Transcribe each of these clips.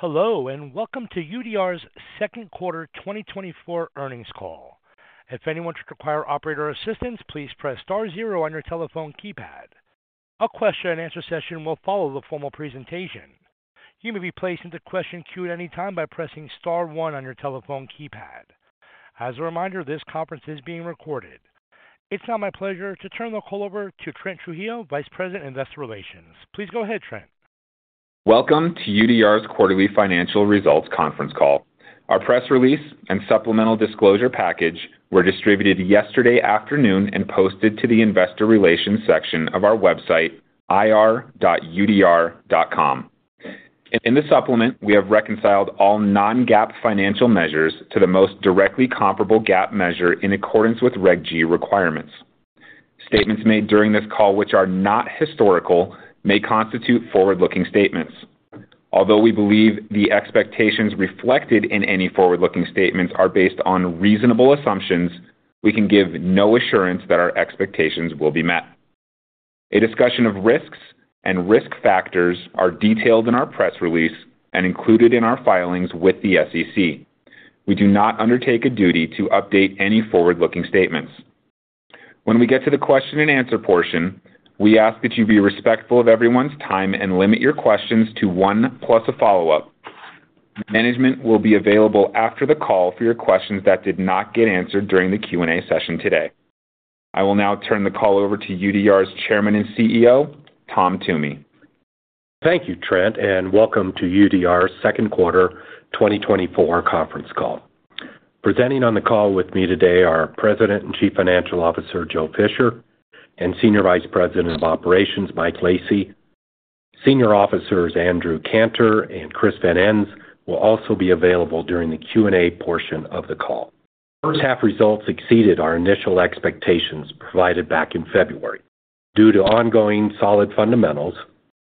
Hello, and welcome to UDR's Second Quarter 2024 Earnings Call. If anyone should require operator assistance, please press star zero on your telephone keypad. A question-and-answer session will follow the formal presentation. You may be placed into question queue at any time by pressing star one on your telephone keypad. As a reminder, this conference is being recorded. It's now my pleasure to turn the call over to Trent Trujillo, Vice President, Investor Relations. Please go ahead, Trent. Welcome to UDR's Quarterly Financial Results Conference Call. Our press release and supplemental disclosure package were distributed yesterday afternoon and posted to the Investor Relations section of our website, ir.udr.com. In the supplement, we have reconciled all non-GAAP financial measures to the most directly comparable GAAP measure in accordance with Reg G requirements. Statements made during this call, which are not historical, may constitute forward-looking statements. Although we believe the expectations reflected in any forward-looking statements are based on reasonable assumptions, we can give no assurance that our expectations will be met. A discussion of risks and risk factors are detailed in our press release and included in our filings with the SEC. We do not undertake a duty to update any forward-looking statements. When we get to the question-and-answer portion, we ask that you be respectful of everyone's time and limit your questions to one plus a follow-up. Management will be available after the call for your questions that did not get answered during the Q&A session today. I will now turn the call over to UDR's Chairman and CEO, Tom Toomey. Thank you, Trent, and welcome to UDR's Second Quarter 2024 Conference Call. Presenting on the call with me today are President and Chief Financial Officer, Joe Fisher and Senior Vice President of Operations, Mike Lacy. Senior Officers, Andrew Cantor and Chris Van Ens will also be available during the Q&A portion of the call. First half results exceeded our initial expectations provided back in February. Due to ongoing solid fundamentals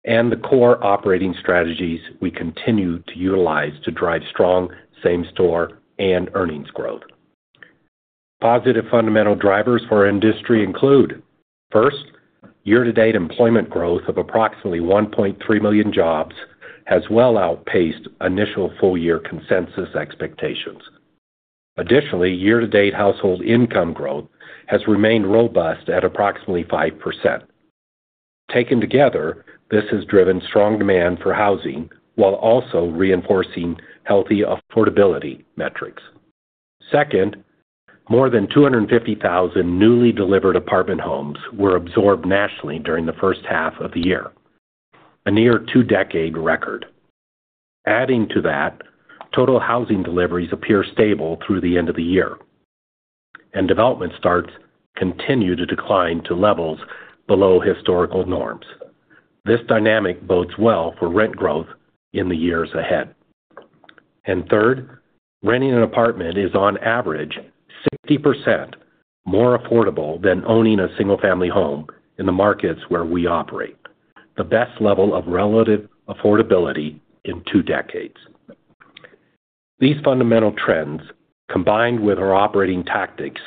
and the core operating strategies, we continue to utilize to drive strong same-store and earnings growth. Positive fundamental drivers for industry include: first, year-to-date employment growth of approximately 1.3 million jobs has well outpaced initial full-year consensus expectations. Additionally, year-to-date household income growth has remained robust at approximately 5%. Taken together, this has driven strong demand for housing while also reinforcing healthy affordability metrics. Second, more than 250,000 newly delivered apartment homes were absorbed nationally during the first half of the year, a near two-decade record. Adding to that, total housing deliveries appear stable through the end of the year, and development starts continue to decline to levels below historical norms. This dynamic bodes well for rent growth in the years ahead. And third, renting an apartment is, on average, 60% more affordable than owning a single-family home in the markets where we operate, the best level of relative affordability in two decades. These fundamental trends, combined with our operating tactics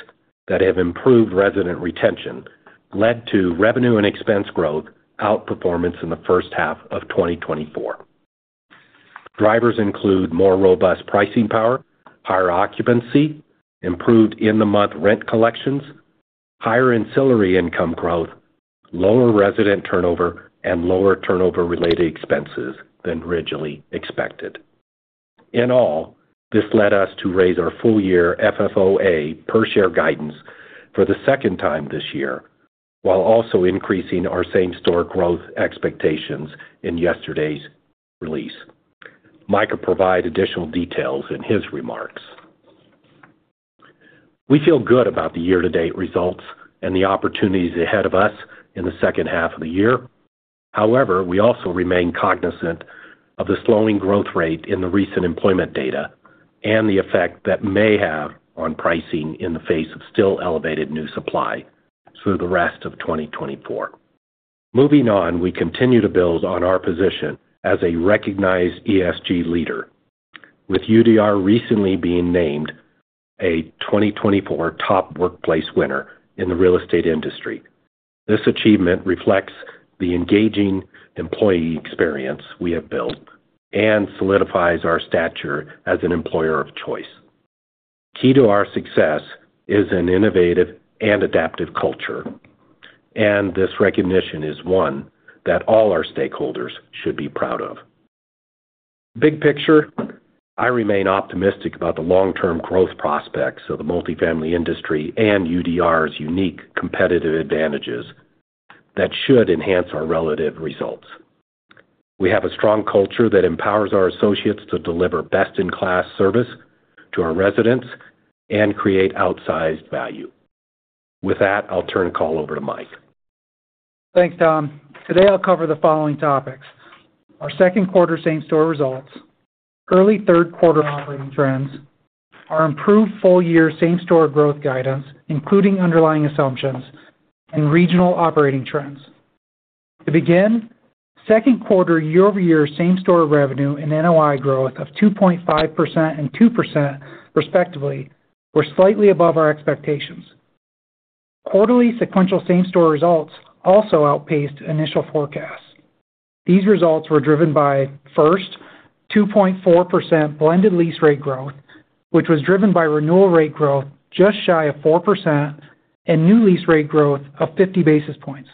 that have improved resident retention, led to revenue and expense growth outperformance in the first half of 2024. Drivers include more robust pricing power, higher occupancy, improved in-the-month rent collections, higher ancillary income growth, lower resident turnover, and lower turnover-related expenses than originally expected. In all, this led us to raise our full-year FFOA per-share guidance for the second time this year, while also increasing our same-store growth expectations in yesterday's release. Mike will provide additional details in his remarks. We feel good about the year-to-date results and the opportunities ahead of us in the second half of the year. However, we also remain cognizant of the slowing growth rate in the recent employment data and the effect that may have on pricing in the face of still elevated new supply through the rest of 2024. Moving on, we continue to build on our position as a recognized ESG leader, with UDR recently being named a 2024 Top Workplace winner in the real estate industry. This achievement reflects the engaging employee experience we have built and solidifies our stature as an employer of choice. Key to our success is an innovative and adaptive culture, and this recognition is one that all our stakeholders should be proud of. Big picture, I remain optimistic about the long-term growth prospects of the multifamily industry and UDR's unique competitive advantages that should enhance our relative results. We have a strong culture that empowers our associates to deliver best-in-class service to our residents and create outsized value. With that, I'll turn the call over to Mike. Thanks, Tom. Today, I'll cover the following topics: our second quarter same-store results, early third quarter operating trends, our improved full-year same-store growth guidance, including underlying assumptions, and regional operating trends. To begin, second quarter year-over-year same-store revenue and NOI growth of 2.5% and 2%, respectively, were slightly above our expectations. Quarterly sequential same-store results also outpaced initial forecasts. These results were driven by, first, 2.4% blended lease rate growth, which was driven by renewal rate growth just shy of 4%, and new lease rate growth of 50 basis points.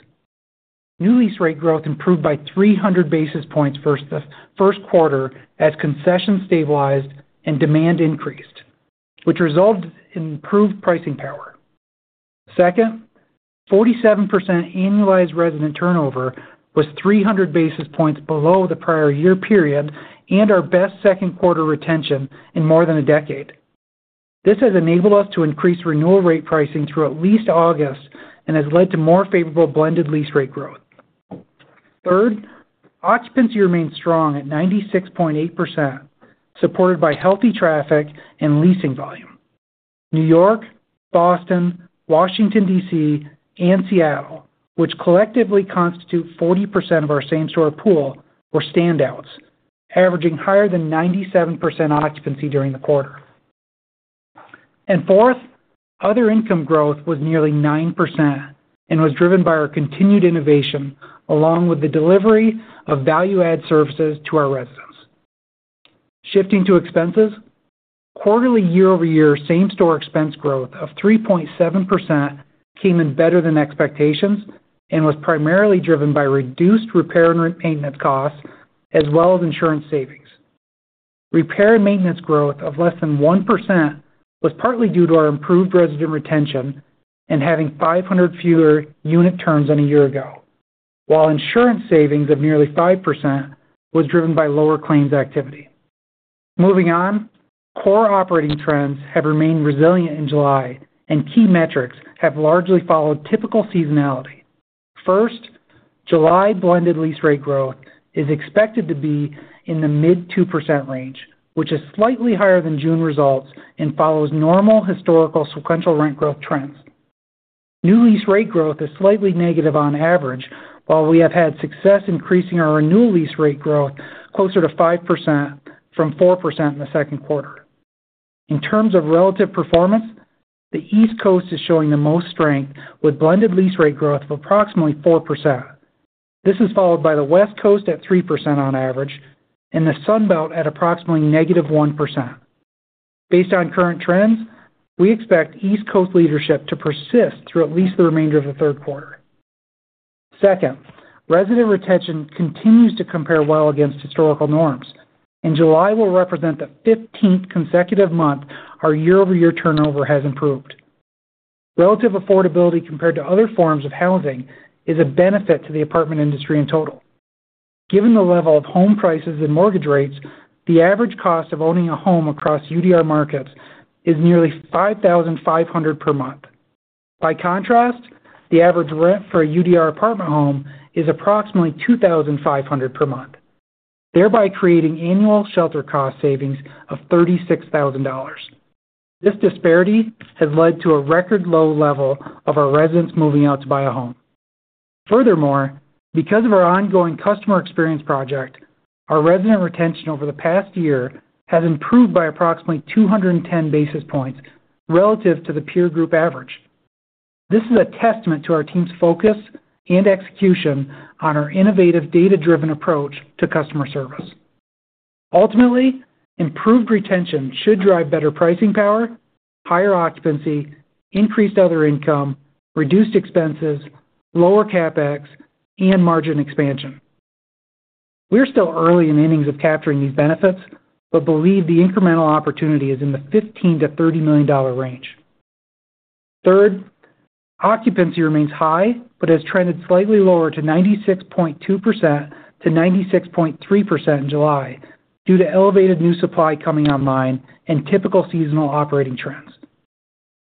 New lease rate growth improved by 300 basis points first quarter as concessions stabilized and demand increased, which resulted in improved pricing power. Second, 47% annualized resident turnover was 300 basis points below the prior year period and our best second quarter retention in more than a decade. This has enabled us to increase renewal rate pricing through at least August and has led to more favorable blended lease rate growth. Third, occupancy remained strong at 96.8%, supported by healthy traffic and leasing volume. New York, Boston, Washington D.C., and Seattle, which collectively constitute 40% of our same-store pool, were standouts, averaging higher than 97% occupancy during the quarter. And fourth, other income growth was nearly 9% and was driven by our continued innovation along with the delivery of value-add services to our residents. Shifting to expenses, quarterly year-over-year same-store expense growth of 3.7% came in better than expectations and was primarily driven by reduced repair and maintenance costs as well as insurance savings. Repair and maintenance growth of less than 1% was partly due to our improved resident retention and having 500 fewer unit turns than a year ago, while insurance savings of nearly 5% was driven by lower claims activity. Moving on, core operating trends have remained resilient in July, and key metrics have largely followed typical seasonality. First, July blended lease rate growth is expected to be in the mid-2% range, which is slightly higher than June results and follows normal historical sequential rent growth trends. New lease rate growth is slightly negative on average, while we have had success increasing our renewal lease rate growth closer to 5% from 4% in the second quarter. In terms of relative performance, the East Coast is showing the most strength with blended lease rate growth of approximately 4%. This is followed by the West Coast at 3% on average and the Sunbelt at approximately -1%. Based on current trends, we expect East Coast leadership to persist through at least the remainder of the third quarter. Second, resident retention continues to compare well against historical norms. In July, we'll represent the 15th consecutive month our year-over-year turnover has improved. Relative affordability compared to other forms of housing is a benefit to the apartment industry in total. Given the level of home prices and mortgage rates, the average cost of owning a home across UDR markets is nearly $5,500 per month. By contrast, the average rent for a UDR apartment home is approximately $2,500 per month, thereby creating annual shelter cost savings of $36,000. This disparity has led to a record low level of our residents moving out to buy a home. Furthermore, because of our ongoing Customer Experience Project, our resident retention over the past year has improved by approximately 210 basis points relative to the peer group average. This is a testament to our team's focus and execution on our innovative data-driven approach to customer service. Ultimately, improved retention should drive better pricing power, higher occupancy, increased other income, reduced expenses, lower CapEx, and margin expansion. We're still early in the innings of capturing these benefits but believe the incremental opportunity is in the $15 million-$30 million range. Third, occupancy remains high but has trended slightly lower to 96.2%-96.3% in July due to elevated new supply coming online and typical seasonal operating trends.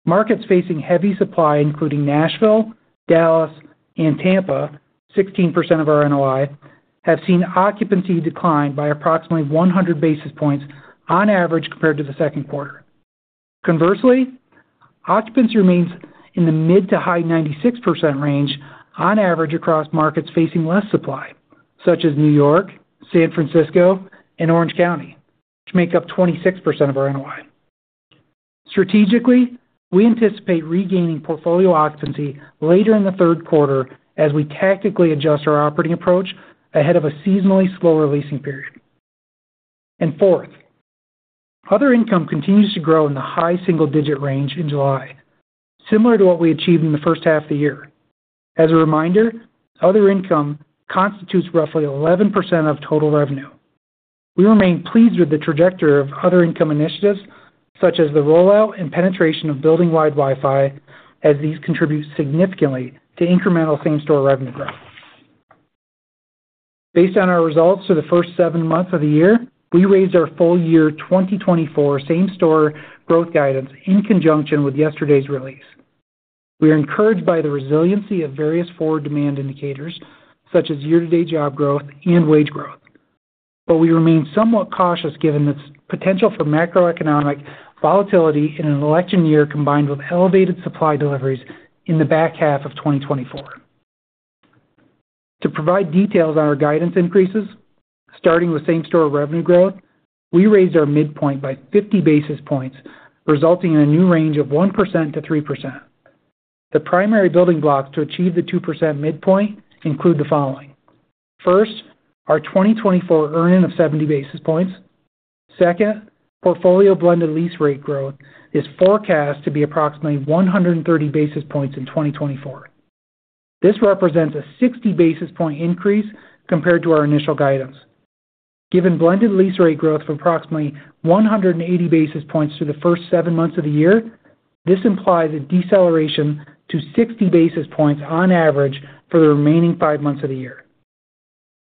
Markets facing heavy supply, including Nashville, Dallas, and Tampa, 16% of our NOI, have seen occupancy decline by approximately 100 basis points on average compared to the second quarter. Conversely, occupancy remains in the mid to high 96% range on average across markets facing less supply, such as New York, San Francisco, and Orange County, which make up 26% of our NOI. Strategically, we anticipate regaining portfolio occupancy later in the third quarter as we tactically adjust our operating approach ahead of a seasonally slower leasing period. And fourth, other income continues to grow in the high single-digit range in July, similar to what we achieved in the first half of the year. As a reminder, other income constitutes roughly 11% of total revenue. We remain pleased with the trajectory of other income initiatives, such as the rollout and penetration of building-wide Wi-Fi, as these contribute significantly to incremental same-store revenue growth. Based on our results for the first seven months of the year, we raised our full-year 2024 same-store growth guidance in conjunction with yesterday's release. We are encouraged by the resiliency of various forward demand indicators, such as year-to-date job growth and wage growth, but we remain somewhat cautious given the potential for macroeconomic volatility in an election year combined with elevated supply deliveries in the back half of 2024. To provide details on our guidance increases, starting with same-store revenue growth, we raised our midpoint by 50 basis points, resulting in a new range of 1%-3%. The primary building blocks to achieve the 2% midpoint include the following: first, our 2024 earn-in of 70 basis points; second, portfolio blended lease rate growth is forecast to be approximately 130 basis points in 2024. This represents a 60 basis point increase compared to our initial guidance. Given blended lease rate growth of approximately 180 basis points through the first seven months of the year, this implies a deceleration to 60 basis points on average for the remaining five months of the year.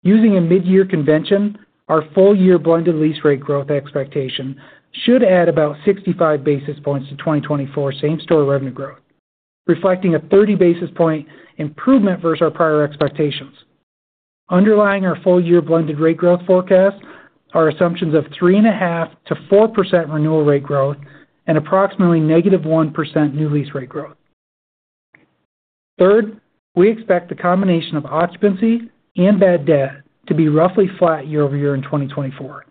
Using a mid-year convention, our full-year blended lease rate growth expectation should add about 65 basis points to 2024 same-store revenue growth, reflecting a 30 basis point improvement versus our prior expectations. Underlying our full-year blended rate growth forecast are assumptions of 3.5%-4% renewal rate growth and approximately -1% new lease rate growth. Third, we expect the combination of occupancy and bad debt to be roughly flat year-over-year in 2024,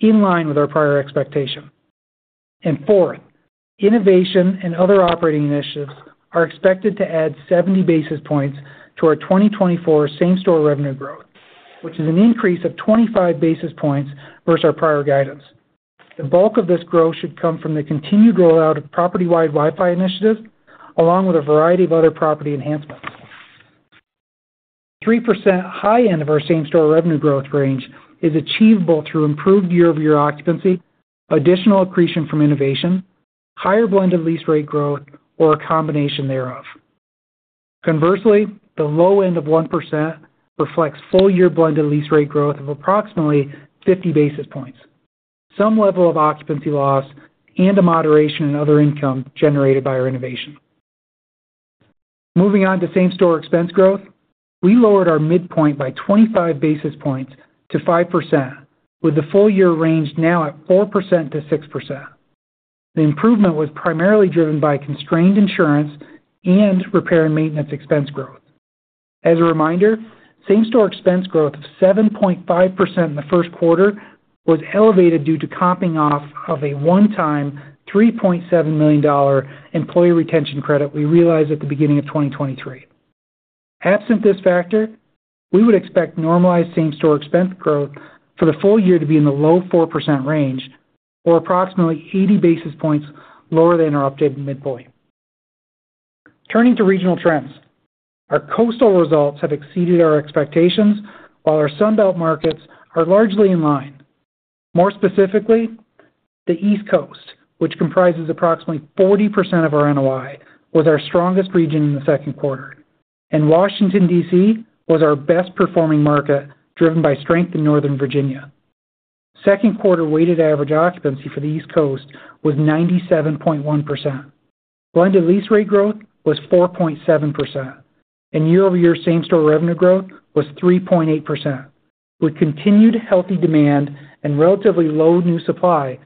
in line with our prior expectation. And fourth, innovation and other operating initiatives are expected to add 70 basis points to our 2024 same-store revenue growth, which is an increase of 25 basis points versus our prior guidance. The bulk of this growth should come from the continued rollout of property-wide Wi-Fi initiatives along with a variety of other property enhancements. The 3% high end of our same-store revenue growth range is achievable through improved year-over-year occupancy, additional accretion from innovation, higher blended lease rate growth, or a combination thereof. Conversely, the low end of 1% reflects full-year blended lease rate growth of approximately 50 basis points, some level of occupancy loss, and a moderation in other income generated by our innovation. Moving on to same-store expense growth, we lowered our midpoint by 25 basis points to 5%, with the full-year range now at 4%-6%. The improvement was primarily driven by constrained insurance and repair and maintenance expense growth. As a reminder, same-store expense growth of 7.5% in the first quarter was elevated due to comping off of a one-time $3.7 million employee retention credit we realized at the beginning of 2023. Absent this factor, we would expect normalized same-store expense growth for the full year to be in the low 4% range or approximately 80 basis points lower than our updated midpoint. Turning to regional trends, our coastal results have exceeded our expectations, while our Sunbelt markets are largely in line. More specifically, the East Coast, which comprises approximately 40% of our NOI, was our strongest region in the second quarter, and Washington, D.C., was our best-performing market driven by strength in Northern Virginia. Second quarter weighted average occupancy for the East Coast was 97.1%. Blended lease rate growth was 4.7%, and year-over-year same-store revenue growth was 3.8%. With continued healthy demand and relatively low new supply,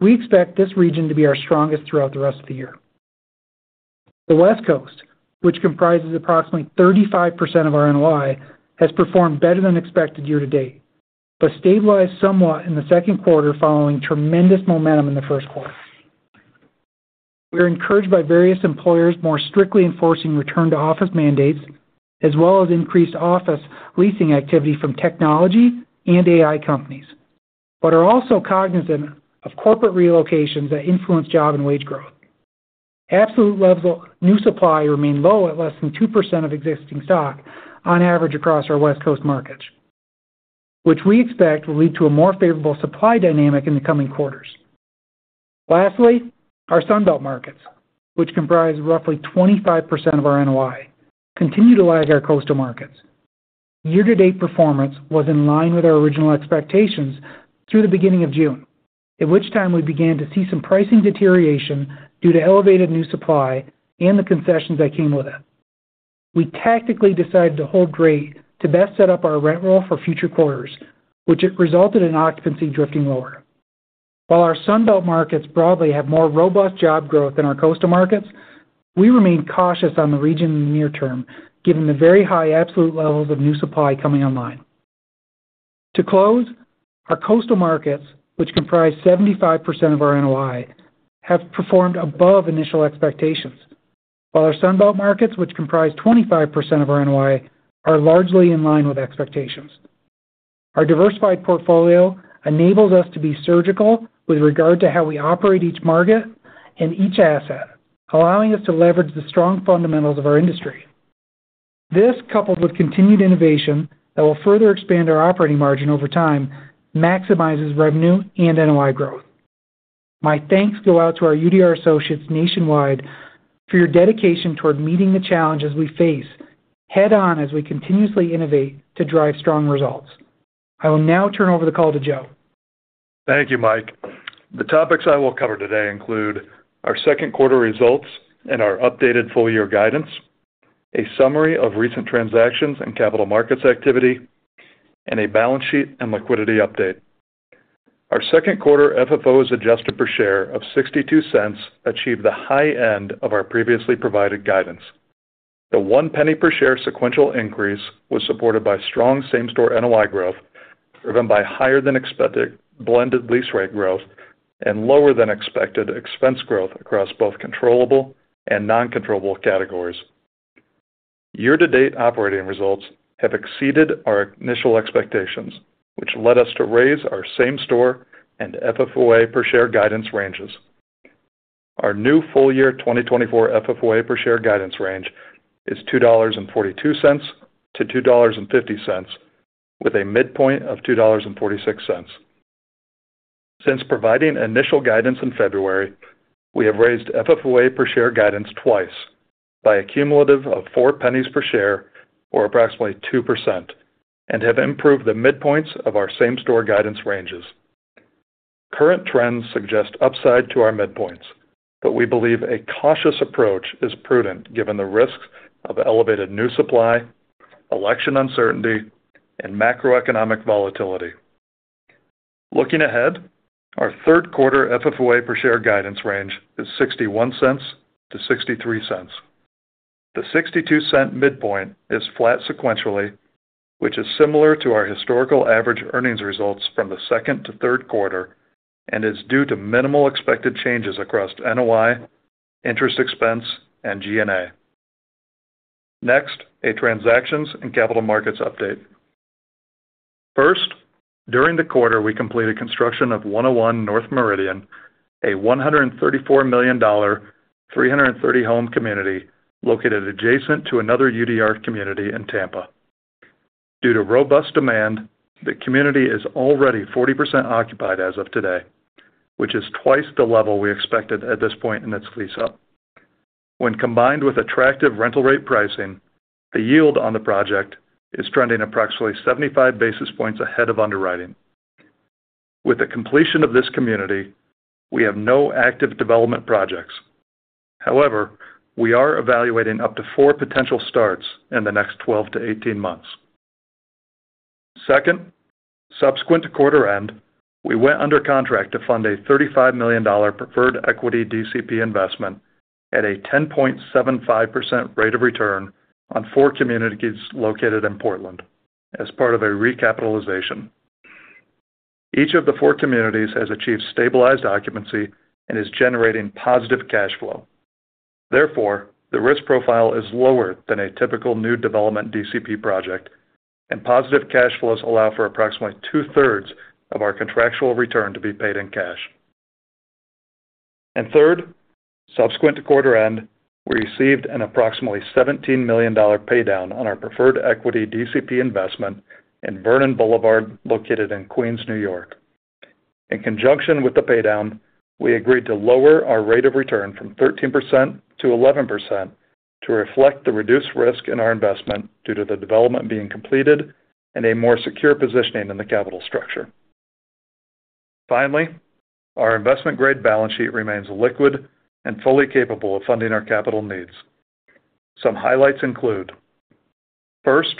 we expect this region to be our strongest throughout the rest of the year. The West Coast, which comprises approximately 35% of our NOI, has performed better than expected year-to-date but stabilized somewhat in the second quarter following tremendous momentum in the first quarter. We're encouraged by various employers more strictly enforcing return-to-office mandates as well as increased office leasing activity from technology and AI companies, but are also cognizant of corporate relocations that influence job and wage growth. Absolute level new supply remained low at less than 2% of existing stock on average across our West Coast markets, which we expect will lead to a more favorable supply dynamic in the coming quarters. Lastly, our Sunbelt markets, which comprise roughly 25% of our NOI, continue to lag our coastal markets. Year-to-date performance was in line with our original expectations through the beginning of June, at which time we began to see some pricing deterioration due to elevated new supply and the concessions that came with it. We tactically decided to hold rate to best set up our rent roll for future quarters, which resulted in occupancy drifting lower. While our Sunbelt markets broadly have more robust job growth than our coastal markets, we remain cautious on the region in the near term given the very high absolute levels of new supply coming online. To close, our coastal markets, which comprise 75% of our NOI, have performed above initial expectations, while our Sunbelt markets, which comprise 25% of our NOI, are largely in line with expectations. Our diversified portfolio enables us to be surgical with regard to how we operate each market and each asset, allowing us to leverage the strong fundamentals of our industry. This, coupled with continued innovation that will further expand our operating margin over time, maximizes revenue and NOI growth. My thanks go out to our UDR associates nationwide for your dedication toward meeting the challenges we face head-on as we continuously innovate to drive strong results. I will now turn over the call to Joe. Thank you, Mike. The topics I will cover today include our second quarter results and our updated full-year guidance, a summary of recent transactions and capital markets activity, and a balance sheet and liquidity update. Our second quarter FFO as adjusted per share of $0.62 achieved the high end of our previously provided guidance. The $0.01 per share sequential increase was supported by strong same-store NOI growth driven by higher-than-expected blended lease rate growth and lower-than-expected expense growth across both controllable and non-controllable categories. Year-to-date operating results have exceeded our initial expectations, which led us to raise our same-store and FFOA per share guidance ranges. Our new full-year 2024 FFOA per share guidance range is $2.42-$2.50, with a midpoint of $2.46. Since providing initial guidance in February, we have raised FFOA per share guidance twice by a cumulative of $0.04 per share, or approximately 2%, and have improved the midpoints of our same-store guidance ranges. Current trends suggest upside to our midpoints, but we believe a cautious approach is prudent given the risks of elevated new supply, election uncertainty, and macroeconomic volatility. Looking ahead, our third quarter FFOA per share guidance range is $0.61-$0.63. The $0.62 midpoint is flat sequentially, which is similar to our historical average earnings results from the second to third quarter and is due to minimal expected changes across NOI, interest expense, and G&A. Next, a transactions and capital markets update. First, during the quarter, we completed construction of 101 North Meridian, a $134 million, 330-home community located adjacent to another UDR community in Tampa. Due to robust demand, the community is already 40% occupied as of today, which is twice the level we expected at this point in its lease-up. When combined with attractive rental rate pricing, the yield on the project is trending approximately 75 basis points ahead of underwriting. With the completion of this community, we have no active development projects. However, we are evaluating up to four potential starts in the next 12 to 18 months. Second, subsequent to quarter end, we went under contract to fund a $35 million preferred equity DCP investment at a 10.75% rate of return on four communities located in Portland as part of a recapitalization. Each of the four communities has achieved stabilized occupancy and is generating positive cash flow. Therefore, the risk profile is lower than a typical new development DCP project, and positive cash flows allow for approximately two-thirds of our contractual return to be paid in cash. And third, subsequent to quarter end, we received an approximately $17 million paydown on our preferred equity DCP investment in Vernon Boulevard, located in Queens, New York. In conjunction with the paydown, we agreed to lower our rate of return from 13%-11% to reflect the reduced risk in our investment due to the development being completed and a more secure positioning in the capital structure. Finally, our investment-grade balance sheet remains liquid and fully capable of funding our capital needs. Some highlights include: first,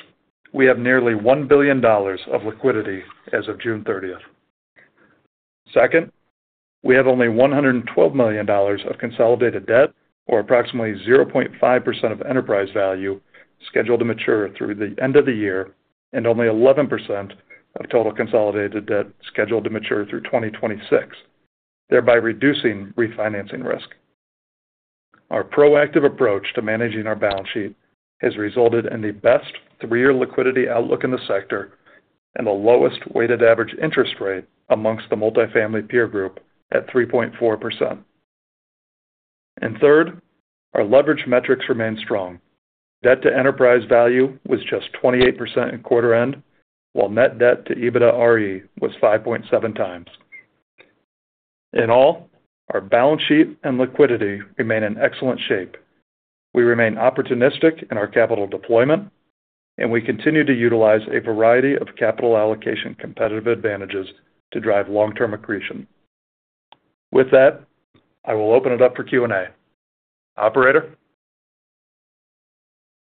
we have nearly $1 billion of liquidity as of June 30th. Second, we have only $112 million of consolidated debt, or approximately 0.5% of enterprise value scheduled to mature through the end of the year, and only 11% of total consolidated debt scheduled to mature through 2026, thereby reducing refinancing risk. Our proactive approach to managing our balance sheet has resulted in the best three-year liquidity outlook in the sector and the lowest weighted average interest rate amongst the multifamily peer group at 3.4%. And third, our leverage metrics remain strong. Debt to enterprise value was just 28% at quarter end, while net debt to EBITDAre was 5.7x. In all, our balance sheet and liquidity remain in excellent shape. We remain opportunistic in our capital deployment, and we continue to utilize a variety of capital allocation competitive advantages to drive long-term accretion. With that, I will open it up for Q&A. Operator?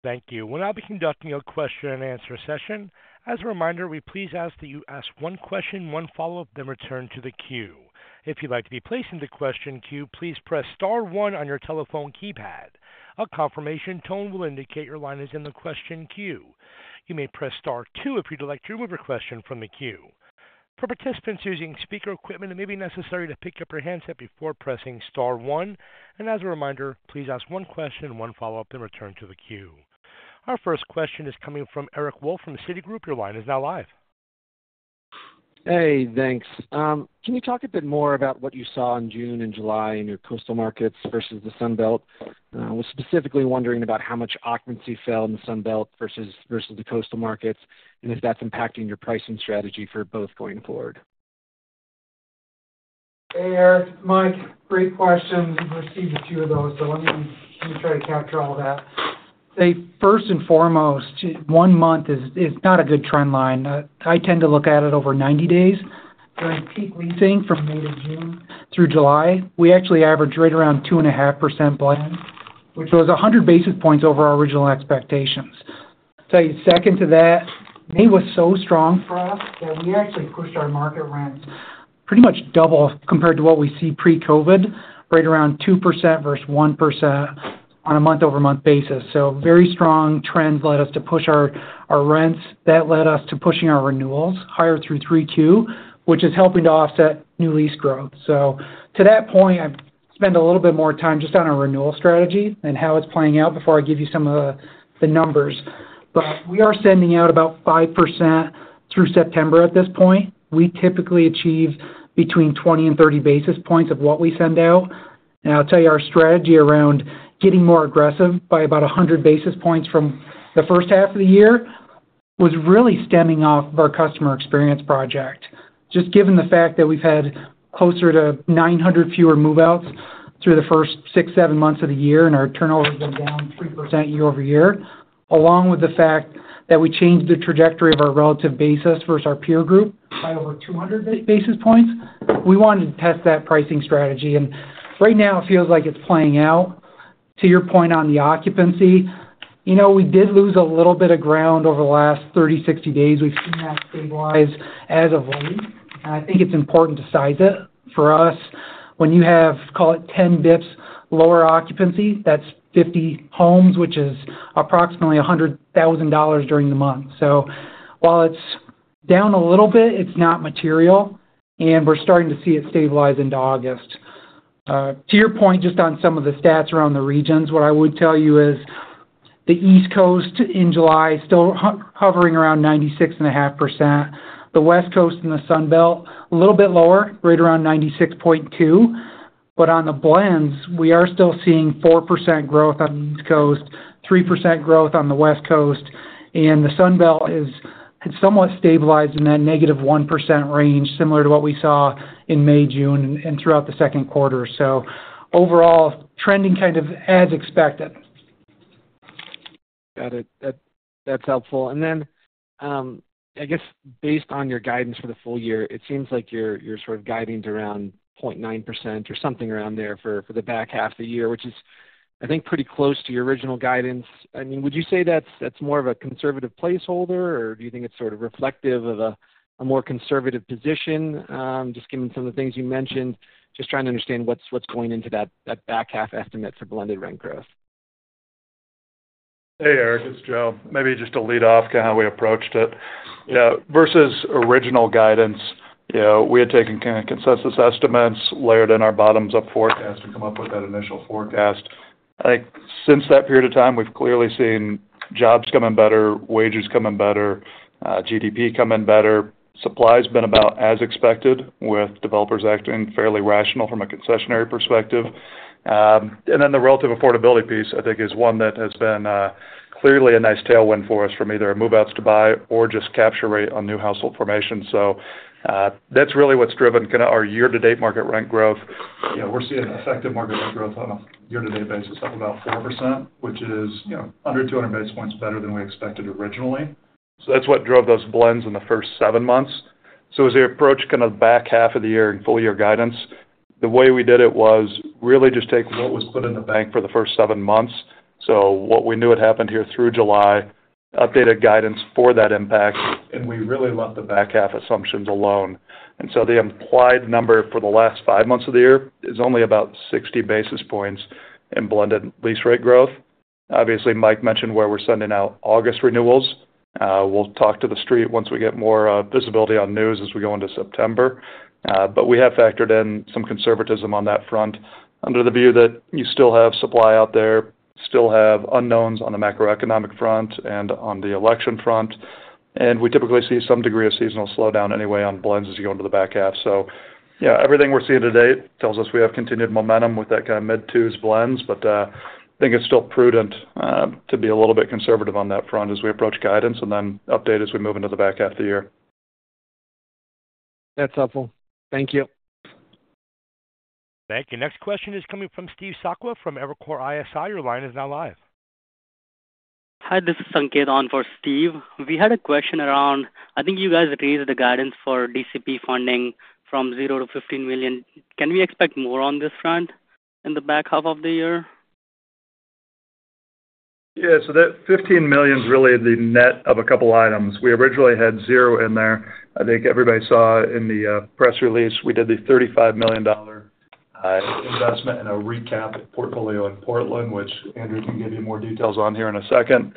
Thank you. We'll now be conducting a question-and-answer session. As a reminder, we please ask that you ask one question, one follow-up, then return to the queue. If you'd like to be placed in the question queue, please press star one on your telephone keypad. A confirmation tone will indicate your line is in the question queue. You may press star two if you'd like to remove your question from the queue. For participants using speaker equipment, it may be necessary to pick up your handset before pressing star one. And as a reminder, please ask one question, one follow-up, then return to the queue. Our first question is coming from Eric Wolfe from Citigroup. Your line is now live. Hey, thanks. Can you talk a bit more about what you saw in June and July in your coastal markets versus the Sunbelt? I was specifically wondering about how much occupancy fell in the Sunbelt versus the coastal markets and if that's impacting your pricing strategy for both going forward. Hey, Eric. Mike, great questions. We've received a few of those, so let me try to capture all that. First and foremost, one month is not a good trend line. I tend to look at it over 90 days. During peak leasing from May to June through July, we actually averaged right around 2.5% blend, which was 100 basis points over our original expectations. Second to that, May was so strong for us that we actually pushed our market rents pretty much double compared to what we see pre-COVID, right around 2% versus 1% on a month-over-month basis. So very strong trends led us to push our rents. That led us to pushing our renewals higher through 3Q, which is helping to offset new lease growth. So to that point, I've spent a little bit more time just on our renewal strategy and how it's playing out before I give you some of the numbers. But we are sending out about 5% through September at this point. We typically achieve between 20 and 30 basis points of what we send out. I'll tell you our strategy around getting more aggressive by about 100 basis points from the first half of the year was really stemming off of our Customer Experience Project, just given the fact that we've had closer to 900 fewer move-outs through the first six, seven months of the year, and our turnover has been down 3% year-over-year. Along with the fact that we changed the trajectory of our relative basis versus our peer group by over 200 basis points. We wanted to test that pricing strategy, right now it feels like it's playing out. To your point on the occupancy, we did lose a little bit of ground over the last 30, 60 days. We've seen that stabilize as of late. I think it's important to size it for us. When you have, call it, 10 basis points lower occupancy, that's 50 homes, which is approximately $100,000 during the month. So while it's down a little bit, it's not material, and we're starting to see it stabilize into August. To your point, just on some of the stats around the regions, what I would tell you is the East Coast in July still hovering around 96.5%. The West Coast and the Sunbelt a little bit lower, right around 96.2%. But on the blends, we are still seeing 4% growth on the East Coast, 3% growth on the West Coast. And the Sunbelt has somewhat stabilized in that -1% range, similar to what we saw in May, June, and throughout the second quarter. So overall, trending kind of as expected. Got it. That's helpful. And then, I guess, based on your guidance for the full year, it seems like you're sort of guiding it around 0.9% or something around there for the back half of the year, which is, I think, pretty close to your original guidance. I mean, would you say that's more of a conservative placeholder, or do you think it's sort of reflective of a more conservative position? Just given some of the things you mentioned, just trying to understand what's going into that back half estimate for blended rent growth. Hey, Eric. It's Joe. Maybe just to lead off kind of how we approached it versus original guidance, we had taken consensus estimates, layered in our bottoms-up forecast to come up with that initial forecast. Since that period of time, we've clearly seen jobs coming better, wages coming better, GDP coming better. Supply has been about as expected, with developers acting fairly rational from a concessionary perspective. And then the relative affordability piece, I think, is one that has been clearly a nice tailwind for us from either move-outs to buy or just capture rate on new household formation. So that's really what's driven kind of our year-to-date market rent growth. We're seeing effective market rent growth on a year-to-date basis of about 4%, which is under 200 basis points better than we expected originally. So that's what drove those blends in the first seven months. So as we approach kind of the back half of the year and full-year guidance, the way we did it was really just take what was put in the bank for the first seven months. So what we knew had happened here through July, updated guidance for that impact, and we really left the back half assumptions alone. And so the implied number for the last five months of the year is only about 60 basis points in blended lease rate growth. Obviously, Mike mentioned where we're sending out August renewals. We'll talk to the street once we get more visibility on news as we go into September. But we have factored in some conservatism on that front under the view that you still have supply out there, still have unknowns on the macroeconomic front and on the election front. And we typically see some degree of seasonal slowdown anyway on blends as you go into the back half. So everything we're seeing today tells us we have continued momentum with that kind of mid-2s blends, but I think it's still prudent to be a little bit conservative on that front as we approach guidance and then update as we move into the back half of the year. That's helpful. Thank you. Thank you. Next question is coming from Steve Sakwa from Evercore ISI. Your line is now live. Hi. This is Sanket on for Steve. We had a question around, I think you guys raised the guidance for DCP funding from $0 to $15 million. Can we expect more on this front in the back half of the year? Yeah. So that $15 million is really the net of a couple of items. We originally had 0 in there. I think everybody saw in the press release, we did the $35 million investment in a recap portfolio in Portland, which Andrew can give you more details on here in a second.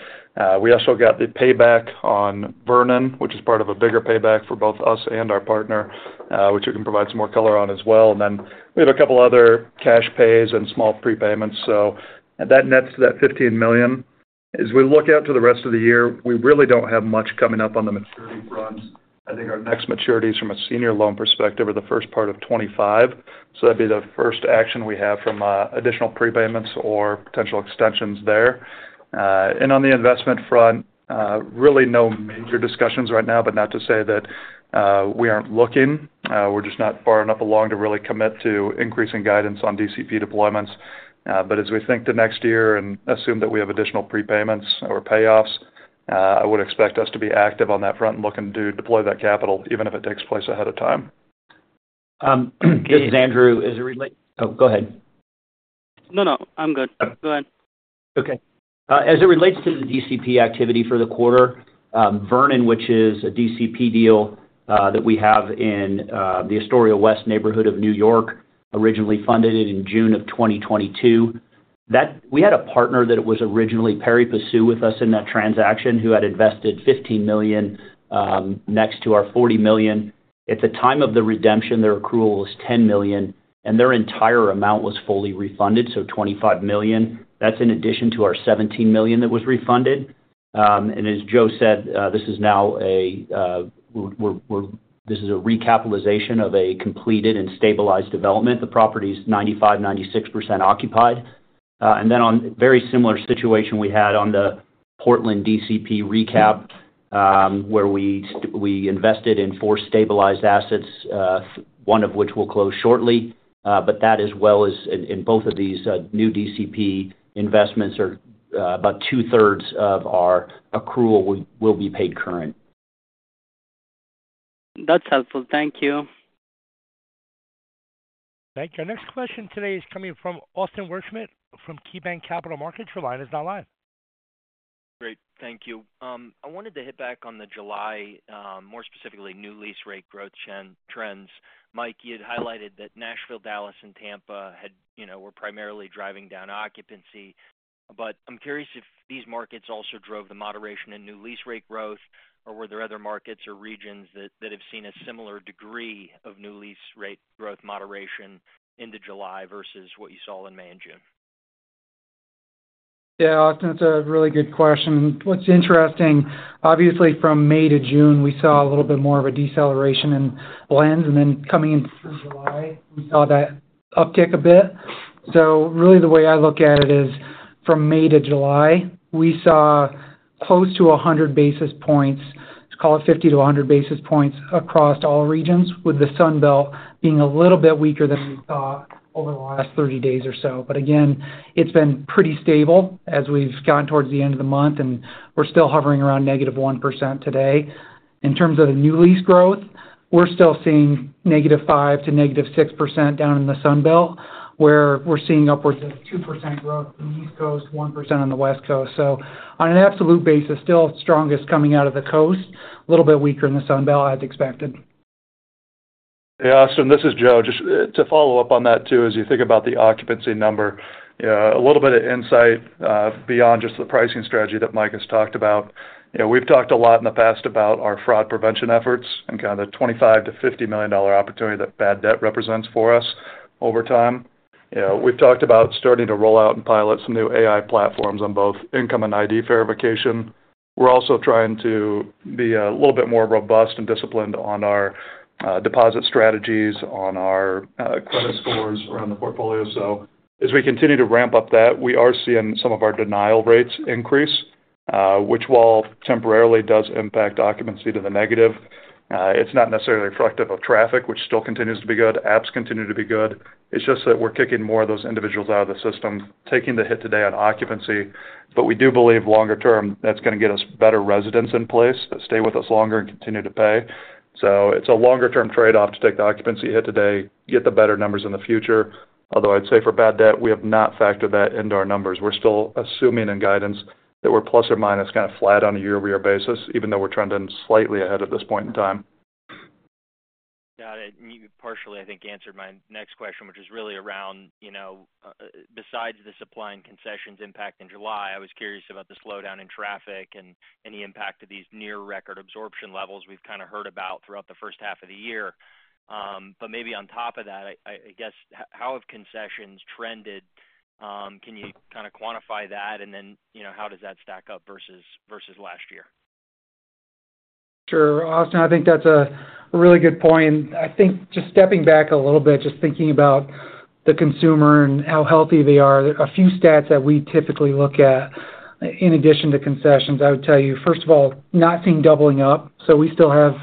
We also got the payback on Vernon, which is part of a bigger payback for both us and our partner, which we can provide some more color on as well. And then we have a couple of other cash pays and small prepayments. So that nets to that $15 million. As we look out to the rest of the year, we really don't have much coming up on the maturity front. I think our next maturities from a senior loan perspective are the first part of 2025. So that'd be the first action we have from additional prepayments or potential extensions there. On the investment front, really no major discussions right now, but not to say that we aren't looking. We're just not far enough along to really commit to increasing guidance on DCP deployments. As we think to next year and assume that we have additional prepayments or payoffs, I would expect us to be active on that front and looking to deploy that capital, even if it takes place ahead of time. This is Andrew. Oh, go ahead. No, no. I'm good. Go ahead. Okay. As it relates to the DCP activity for the quarter, Vernon, which is a DCP deal that we have in the Astoria West neighborhood of New York, originally funded it in June of 2022. We had a partner that was originally pari passu with us in that transaction who had invested $15 million next to our $40 million. At the time of the redemption, their accrual was $10 million, and their entire amount was fully refunded, so $25 million. That's in addition to our $17 million that was refunded. And as Joe said, this is now a recapitalization of a completed and stabilized development. The property is 95%-96% occupied. And then on a very similar situation we had on the Portland DCP recap, where we invested in four stabilized assets, one of which we'll close shortly. But that, as well as in both of these new DCP investments, are about 2/3 of our accrual will be paid current. That's helpful. Thank you. Thank you. Our next question today is coming from Austin Wurschmidt from KeyBanc Capital Markets. Your line is now live. Great. Thank you. I wanted to hit back on the July, more specifically new lease rate growth trends. Mike, you had highlighted that Nashville, Dallas, and Tampa were primarily driving down occupancy. But I'm curious if these markets also drove the moderation in new lease rate growth, or were there other markets or regions that have seen a similar degree of new lease rate growth moderation into July versus what you saw in May and June? Yeah. Austin, that's a really good question. What's interesting, obviously, from May to June, we saw a little bit more of a deceleration in blends. And then coming into July, we saw that uptick a bit. So really, the way I look at it is from May to July, we saw close to 100 basis points, call it 50-100 basis points across all regions, with the Sunbelt being a little bit weaker than we thought over the last 30 days or so. But again, it's been pretty stable as we've gotten towards the end of the month, and we're still hovering around -1% today. In terms of the new lease growth, we're still seeing -5% to -6% down in the Sunbelt, where we're seeing upwards of 2%+ growth on the East Coast, 1% on the West Coast. So on an absolute basis, still strongest coming out of the coast, a little bit weaker in the Sunbelt as expected. Yeah. Austin, this is Joe. Just to follow up on that too, as you think about the occupancy number, a little bit of insight beyond just the pricing strategy that Mike has talked about. We've talked a lot in the past about our fraud prevention efforts and kind of the $25 million-$50 million opportunity that bad debt represents for us over time. We've talked about starting to roll out and pilot some new AI platforms on both income and ID verification. We're also trying to be a little bit more robust and disciplined on our deposit strategies, on our credit scores around the portfolio. So as we continue to ramp up that, we are seeing some of our denial rates increase, which while temporarily does impact occupancy to the negative, it's not necessarily reflective of traffic, which still continues to be good. Apps continue to be good. It's just that we're kicking more of those individuals out of the system, taking the hit today on occupancy. But we do believe longer term that's going to get us better residents in place that stay with us longer and continue to pay. So it's a longer term trade-off to take the occupancy hit today, get the better numbers in the future. Although I'd say for bad debt, we have not factored that into our numbers. We're still assuming in guidance that we're plus or minus kind of flat on a year-to-year basis, even though we're trending slightly ahead at this point in time. Got it. And you partially, I think, answered my next question, which is really around, besides the supply and concessions impact in July, I was curious about the slowdown in traffic and the impact of these near-record absorption levels we've kind of heard about throughout the first half of the year. But maybe on top of that, I guess, how have concessions trended? Can you kind of quantify that? And then how does that stack up versus last year? Sure, Austin, I think that's a really good point. I think just stepping back a little bit, just thinking about the consumer and how healthy they are, a few stats that we typically look at in addition to concessions, I would tell you, first of all, not seeing doubling up. So we still have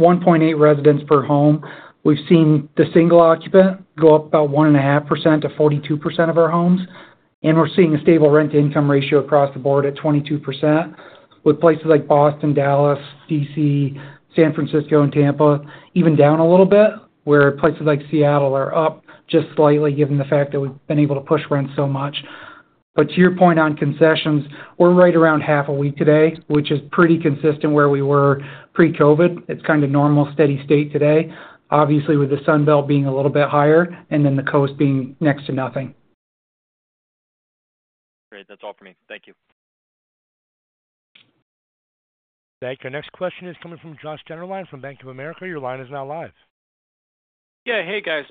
1.8 residents per home. We've seen the single occupant go up about 1.5% to 42% of our homes. And we're seeing a stable rent-to-income ratio across the board at 22%, with places like Boston, Dallas, D.C., San Francisco, and Tampa even down a little bit, where places like Seattle are up just slightly given the fact that we've been able to push rents so much. But to your point on concessions, we're right around half a week today, which is pretty consistent where we were pre-COVID. It's kind of normal, steady state today, obviously, with the Sunbelt being a little bit higher and then the coast being next to nothing. Great. That's all for me. Thank you. Thank you. Our next question is coming from Joshua Dennerlein from Bank of America. Your line is now live. Yeah. Hey, guys.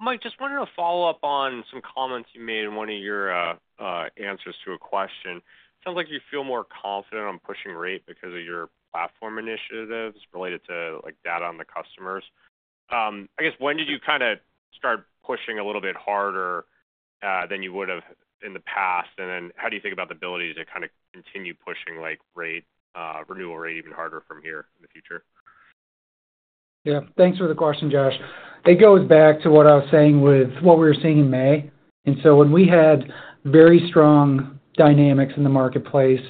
Mike, just wanted to follow up on some comments you made in one of your answers to a question. It sounds like you feel more confident on pushing rate because of your platform initiatives related to data on the customers. I guess, when did you kind of start pushing a little bit harder than you would have in the past? And then how do you think about the ability to kind of continue pushing renewal rate even harder from here in the future? Yeah. Thanks for the question, Josh. It goes back to what I was saying with what we were seeing in May. So when we had very strong dynamics in the marketplace,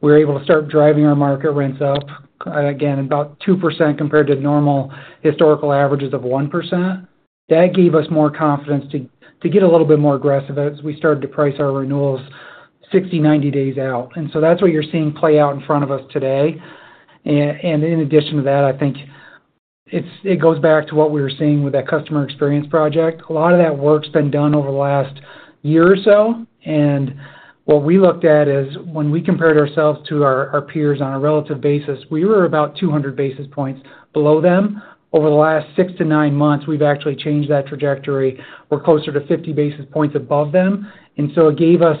we were able to start driving our market rents up again about 2% compared to normal historical averages of 1%. That gave us more confidence to get a little bit more aggressive as we started to price our renewals 60, 90 days out. So that's what you're seeing play out in front of us today. In addition to that, I think it goes back to what we were seeing with that customer experience project. A lot of that work's been done over the last year or so. What we looked at is when we compared ourselves to our peers on a relative basis, we were about 200 basis points below them. Over the last six to nine months, we've actually changed that trajectory. We're closer to 50 basis points above them. And so it gave us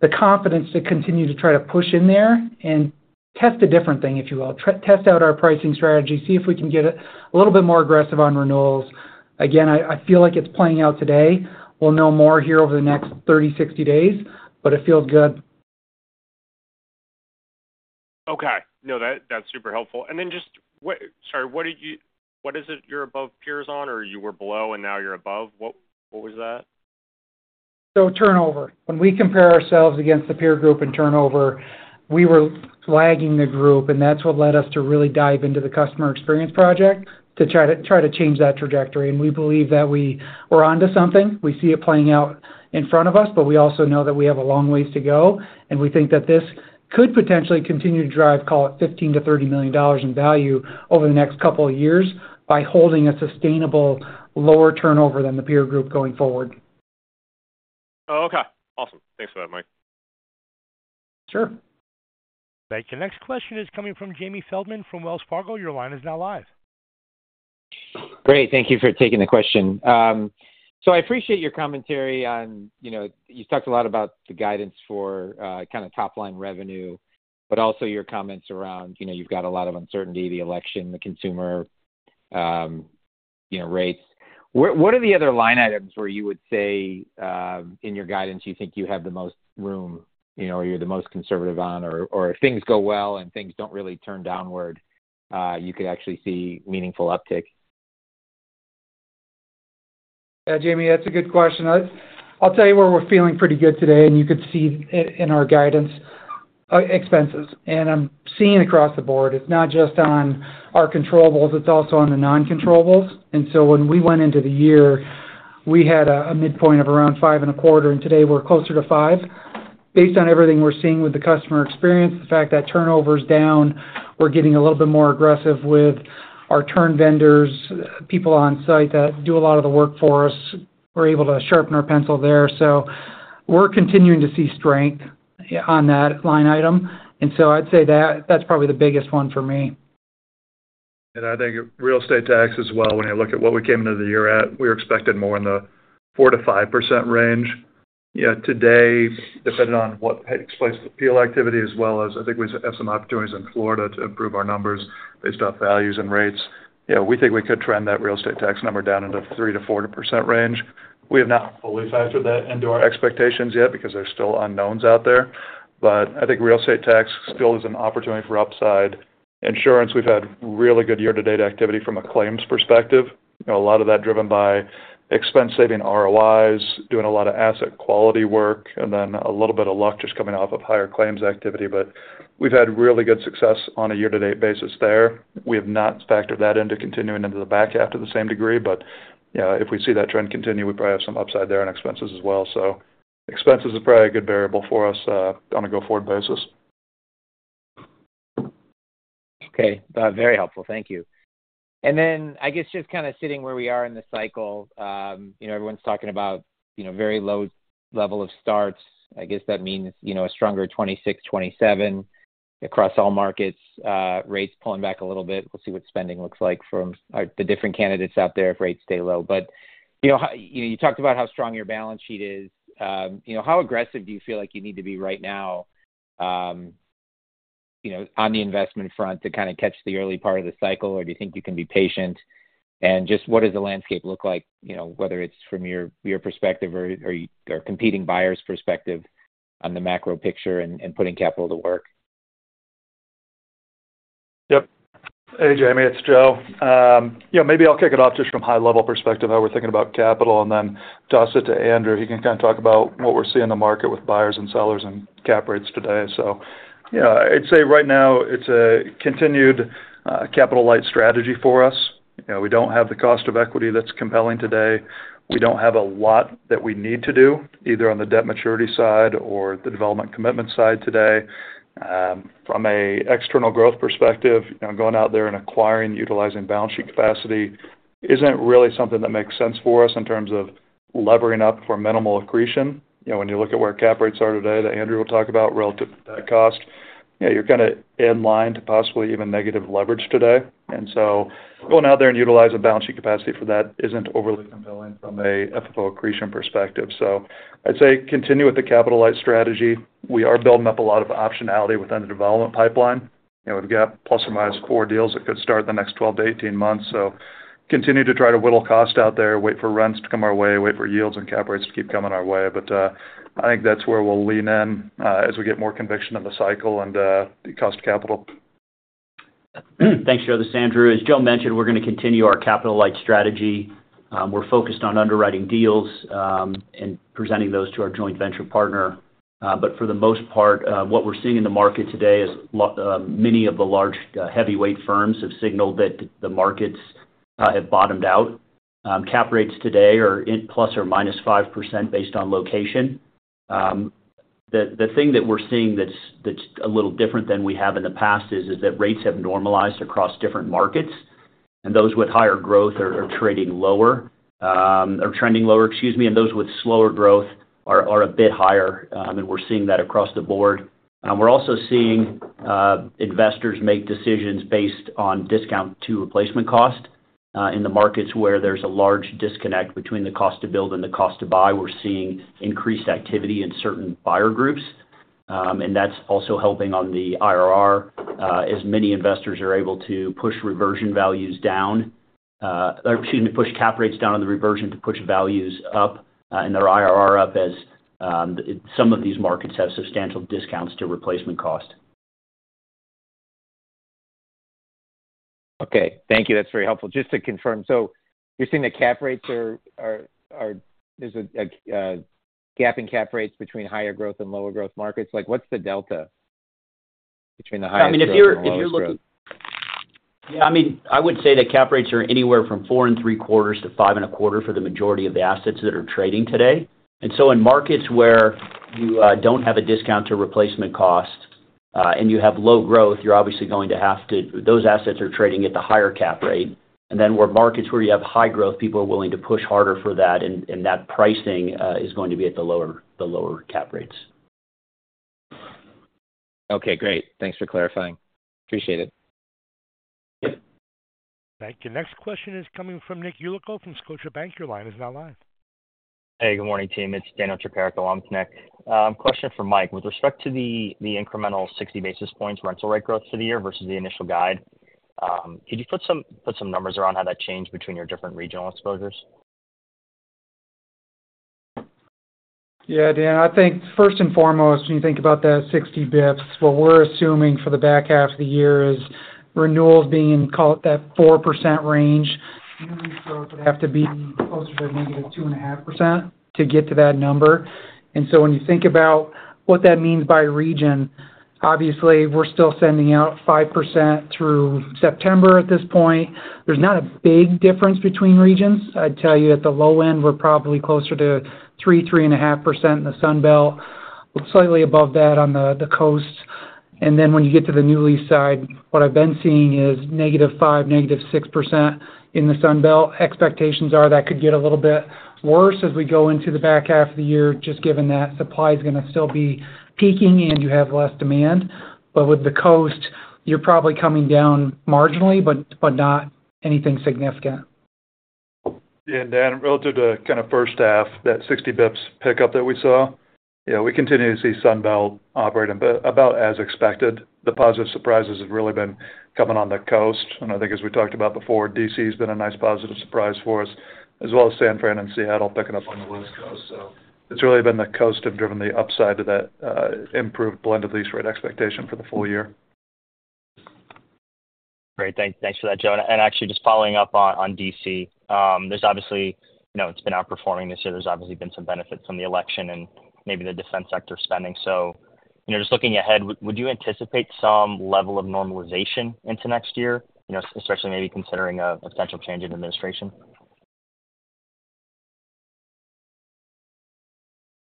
the confidence to continue to try to push in there and test a different thing, if you will. Test out our pricing strategy, see if we can get a little bit more aggressive on renewals. Again, I feel like it's playing out today. We'll know more here over the next 30-60 days, but it feels good. Okay. No, that's super helpful. And then just, sorry, what is it you're above peers on or you were below and now you're above? What was that? So turnover. When we compare ourselves against the peer group in turnover, we were lagging the group. And that's what led us to really dive into the Customer Experience Project to try to change that trajectory. We believe that we're onto something. We see it playing out in front of us, but we also know that we have a long ways to go. We think that this could potentially continue to drive, call it $15 million-$30 million in value over the next couple of years by holding a sustainable lower turnover than the peer group going forward. Oh, okay. Awesome. Thanks for that, Mike. Sure. Thank you. Next question is coming from Jamie Feldman from Wells Fargo. Your line is now live. Great. Thank you for taking the question. So I appreciate your commentary on. You've talked a lot about the guidance for kind of top-line revenue, but also your comments around. You've got a lot of uncertainty, the election, the consumer rates. What are the other line items where you would say in your guidance you think you have the most room or you're the most conservative on, or if things go well and things don't really turn downward, you could actually see meaningful uptick? Yeah, Jamie, that's a good question. I'll tell you where we're feeling pretty good today, and you could see in our guidance expenses. I'm seeing across the board, it's not just on our controllables. It's also on the non-controllables. So when we went into the year, we had a midpoint of around 5.25, and today we're closer to 5. Based on everything we're seeing with the customer experience, the fact that turnover is down, we're getting a little bit more aggressive with our turn vendors, people on site that do a lot of the work for us. We're able to sharpen our pencil there. So we're continuing to see strength on that line item. And so I'd say that's probably the biggest one for me. And I think real estate tax as well, when you look at what we came into the year at, we were expected more in the 4%-5% range. Today, depending on what takes place with field activity, as well as I think we have some opportunities in Florida to improve our numbers based off values and rates. We think we could trend that real estate tax number down into the 3%-4% range. We have not fully factored that into our expectations yet because there's still unknowns out there. But I think real estate tax still is an opportunity for upside. Insurance, we've had really good year-to-date activity from a claims perspective. A lot of that driven by expense-saving ROIs, doing a lot of asset quality work, and then a little bit of luck just coming off of higher claims activity. But we've had really good success on a year-to-date basis there. We have not factored that into continuing into the back half to the same degree. But if we see that trend continue, we probably have some upside there on expenses as well. So expenses are probably a good variable for us on a go-forward basis. Okay. Very helpful. Thank you. And then I guess just kind of sitting where we are in the cycle, everyone's talking about very low level of starts. I guess that means a stronger 2026, 2027 across all markets, rates pulling back a little bit. We'll see what spending looks like from the different candidates out there if rates stay low. But you talked about how strong your balance sheet is. How aggressive do you feel like you need to be right now on the investment front to kind of catch the early part of the cycle, or do you think you can be patient? And just what does the landscape look like, whether it's from your perspective or competing buyers' perspective on the macro picture and putting capital to work? Yep. Hey, Jamie. It's Joe. Maybe I'll kick it off just from a high-level perspective, how we're thinking about capital. And then toss it to Andrew, he can kind of talk about what we're seeing in the market with buyers and sellers and cap rates today. So I'd say right now it's a continued capital-light strategy for us. We don't have the cost of equity that's compelling today. We don't have a lot that we need to do either on the debt maturity side or the development commitment side today. From an external growth perspective, going out there and acquiring, utilizing balance sheet capacity isn't really something that makes sense for us in terms of levering up for minimal accretion. When you look at where cap rates are today, that Andrew will talk about relative to that cost, you're kind of in line to possibly even negative leverage today. And so going out there and utilizing balance sheet capacity for that isn't overly compelling from an FFO accretion perspective. So I'd say continue with the capital-light strategy. We are building up a lot of optionality within the development pipeline. We've got ±4 deals that could start in the next 12 to 18 months. So continue to try to whittle cost out there, wait for rents to come our way, wait for yields and cap rates to keep coming our way. But I think that's where we'll lean in as we get more conviction in the cycle and cost of capital. Thanks, Joseph. Andrew, as Joe mentioned, we're going to continue our capital-light strategy. We're focused on underwriting deals and presenting those to our joint venture partner. But for the most part, what we're seeing in the market today is many of the large heavyweight firms have signaled that the markets have bottomed out. Cap rates today are ±5% based on location. The thing that we're seeing that's a little different than we have in the past is that rates have normalized across different markets. And those with higher growth are trading lower or trending lower, excuse me. Those with slower growth are a bit higher. We're seeing that across the board. We're also seeing investors make decisions based on discount to replacement cost. In the markets where there's a large disconnect between the cost to build and the cost to buy, we're seeing increased activity in certain buyer groups. And that's also helping on the IRR as many investors are able to push reversion values down or, excuse me, push cap rates down on the reversion to push values up and their IRR up as some of these markets have substantial discounts to replacement cost. Okay. Thank you. That's very helpful. Just to confirm, so you're saying that cap rates are there's a gap in cap rates between higher growth and lower growth markets? What's the delta between the highest and lowest? I mean, if you're looking yeah. I mean, I would say that cap rates are anywhere from 4.75 to 5.25 for the majority of the assets that are trading today. So in markets where you don't have a discount to replacement cost and you have low growth, you're obviously going to have to those assets are trading at the higher cap rate. Then where markets where you have high growth, people are willing to push harder for that. And that pricing is going to be at the lower cap rates. Okay. Great. Thanks for clarifying. Appreciate it. Thank you. Next question is coming from Nick Yulico from Scotiabank. Your line is now live. Hey, good morning, team. It's Daniel Tricarico along with Nick. Question for Mike. With respect to the incremental 60 basis points rental rate growth for the year versus the initial guide, could you put some numbers around how that changed between your different regional exposures? Yeah, Dan. I think first and foremost, when you think about that 60 bips, what we're assuming for the back half of the year is renewals being in that 4% range. So it would have to be closer to -2.5% to get to that number. And so when you think about what that means by region, obviously, we're still sending out 5% through September at this point. There's not a big difference between regions. I'd tell you at the low end, we're probably closer to 3%-3.5% in the Sunbelt, slightly above that on the coast. Then when you get to the new lease side, what I've been seeing is -5%, -6% in the Sunbelt. Expectations are that could get a little bit worse as we go into the back half of the year, just given that supply is going to still be peaking and you have less demand. But with the coast, you're probably coming down marginally, but not anything significant. Yeah, Dan. Relative to kind of first half, that 60 basis points pickup that we saw, yeah, we continue to see Sunbelt operating about as expected. The positive surprises have really been coming on the coast. And I think, as we talked about before, D.C. has been a nice positive surprise for us, as well as San Fran and Seattle picking up on the West Coast. So it's really been the coast and driven the upside to that improved blended lease rate expectation for the full year. Great. Thanks for that, Joe. Actually, just following up on D.C., there's obviously, it's been outperforming this year. There's obviously been some benefits from the election and maybe the defense sector spending. So just looking ahead, would you anticipate some level of normalization into next year, especially maybe considering a potential change in administration?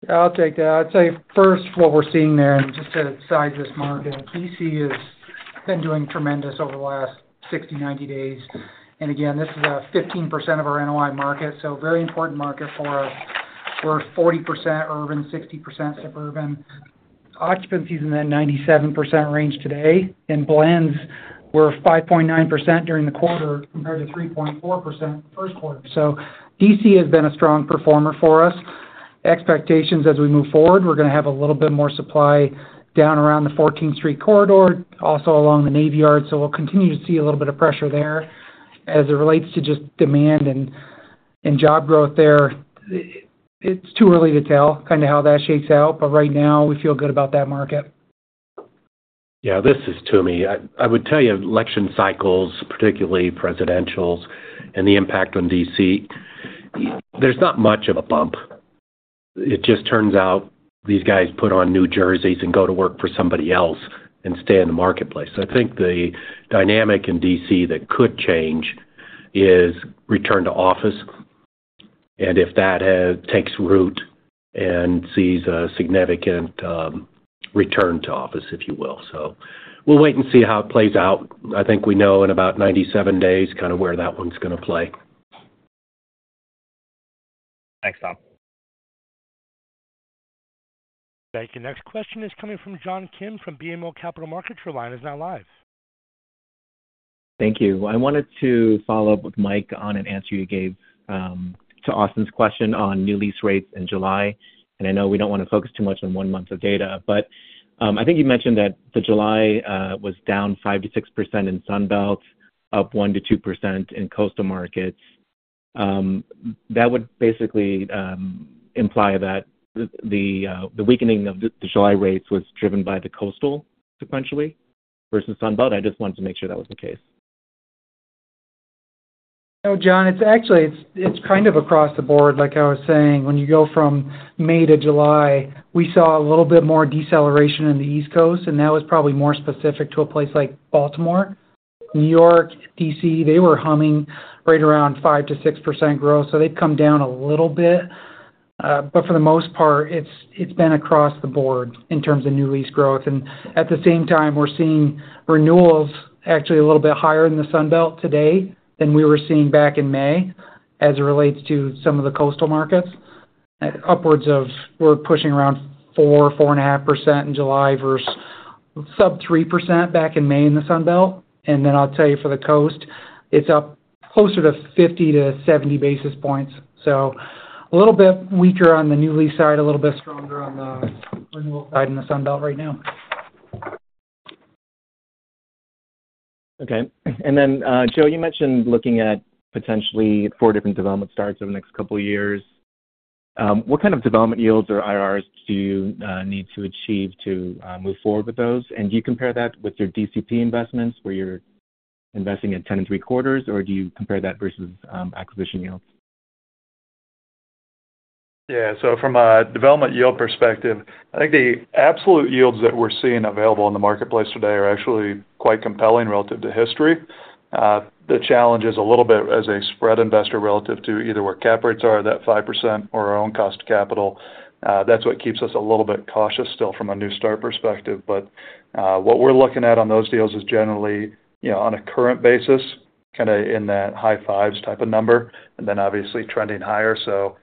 Yeah, I'll take that. I'd say first, what we're seeing there, and just to size this market, D.C. has been doing tremendous over the last 60, 90 days. Again, this is 15% of our NOI market, so a very important market for us. We're 40% urban, 60% suburban. Occupancy is in that 97% range today. In blends, we're 5.9% during the quarter compared to 3.4% the first quarter. So D.C. has been a strong performer for us. Expectations as we move forward, we're going to have a little bit more supply down around the 14th Street Corridor, also along the Navy Yard. So we'll continue to see a little bit of pressure there as it relates to just demand and job growth there. It's too early to tell kind of how that shakes out. But right now, we feel good about that market. Yeah, this is Toomey. I would tell you election cycles, particularly presidentials, and the impact on D.C., there's not much of a bump. It just turns out these guys put on new jerseys and go to work for somebody else and stay in the marketplace. I think the dynamic in D.C. that could change is return to office. And if that takes root and sees a significant return to office, if you will. So we'll wait and see how it plays out. I think we know in about 97 days kind of where that one's going to play. Thanks, Tom. Thank you. Next question is coming from John Kim from BMO Capital Markets. Your line is now live. Thank you. I wanted to follow up with Mike on an answer you gave to Austin's question on new lease rates in July. And I know we don't want to focus too much on one month of data. But I think you mentioned that the July was down 5%-6% in Sunbelt, up 1%-2% in coastal markets. That would basically imply that the weakening of the July rates was driven by the coastal sequentially versus Sunbelt. I just wanted to make sure that was the case. No, John, it's actually kind of across the board. Like I was saying, when you go from May to July, we saw a little bit more deceleration in the East Coast. And that was probably more specific to a place like Baltimore. New York, D.C., they were humming right around 5%-6% growth. So they've come down a little bit. But for the most part, it's been across the board in terms of new lease growth. And at the same time, we're seeing renewals actually a little bit higher in the Sunbelt today than we were seeing back in May as it relates to some of the coastal markets. Upwards of we're pushing around 4%-4.5% in July versus sub-3% back in May in the Sunbelt. And then I'll tell you for the coast, it's up closer to 50-70 basis points. So a little bit weaker on the new lease side, a little bit stronger on the renewal side in the Sunbelt right now. Okay. And then, Joe, you mentioned looking at potentially four different development starts over the next couple of years. What kind of development yields or IRRs do you need to achieve to move forward with those? And do you compare that with your DCP investments where you're investing in 10.75, or do you compare that versus acquisition yields? Yeah. So from a development yield perspective, I think the absolute yields that we're seeing available in the marketplace today are actually quite compelling relative to history. The challenge is a little bit as a spread investor relative to either where cap rates are at that 5% or our own cost of capital. That's what keeps us a little bit cautious still from a new start perspective. But what we're looking at on those deals is generally on a current basis, kind of in that high fives type of number, and then obviously trending higher. So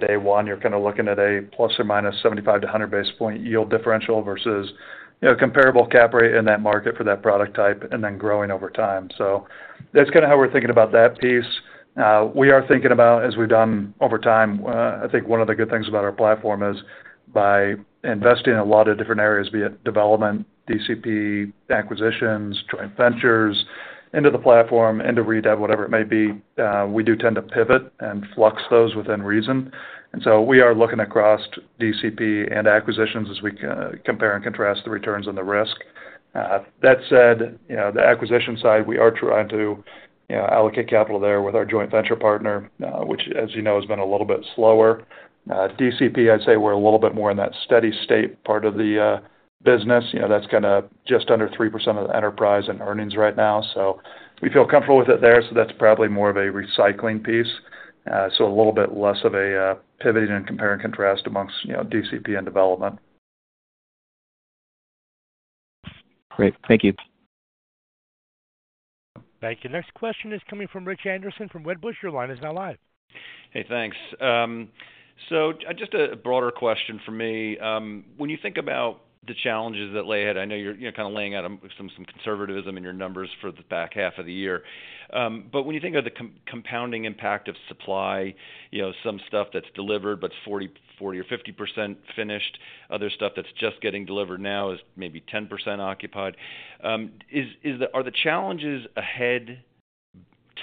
day one, you're kind of looking at a ±75-100 basis point yield differential versus a comparable cap rate in that market for that product type and then growing over time. So that's kind of how we're thinking about that piece. We are thinking about, as we've done over time, I think one of the good things about our platform is by investing in a lot of different areas, be it development, DCP, acquisitions, joint ventures into the platform, into redev, whatever it may be, we do tend to pivot and flux those within reason. And so we are looking across DCP and acquisitions as we compare and contrast the returns and the risk. That said, the acquisition side, we are trying to allocate capital there with our joint venture partner, which, as you know, has been a little bit slower. DCP, I'd say we're a little bit more in that steady state part of the business. That's kind of just under 3% of the enterprise and earnings right now. So we feel comfortable with it there. So that's probably more of a recycling piece. So a little bit less of a pivoting and compare and contrast amongst DCP and development. Great. Thank you. Thank you. Next question is coming from Rich Anderson from Wedbush. Your line is now live. Hey, thanks. So just a broader question for me. When you think about the challenges that lay ahead, I know you're kind of laying out some conservatism in your numbers for the back half of the year. But when you think of the compounding impact of supply, some stuff that's delivered, but 40% or 50% finished, other stuff that's just getting delivered now is maybe 10% occupied. Are the challenges ahead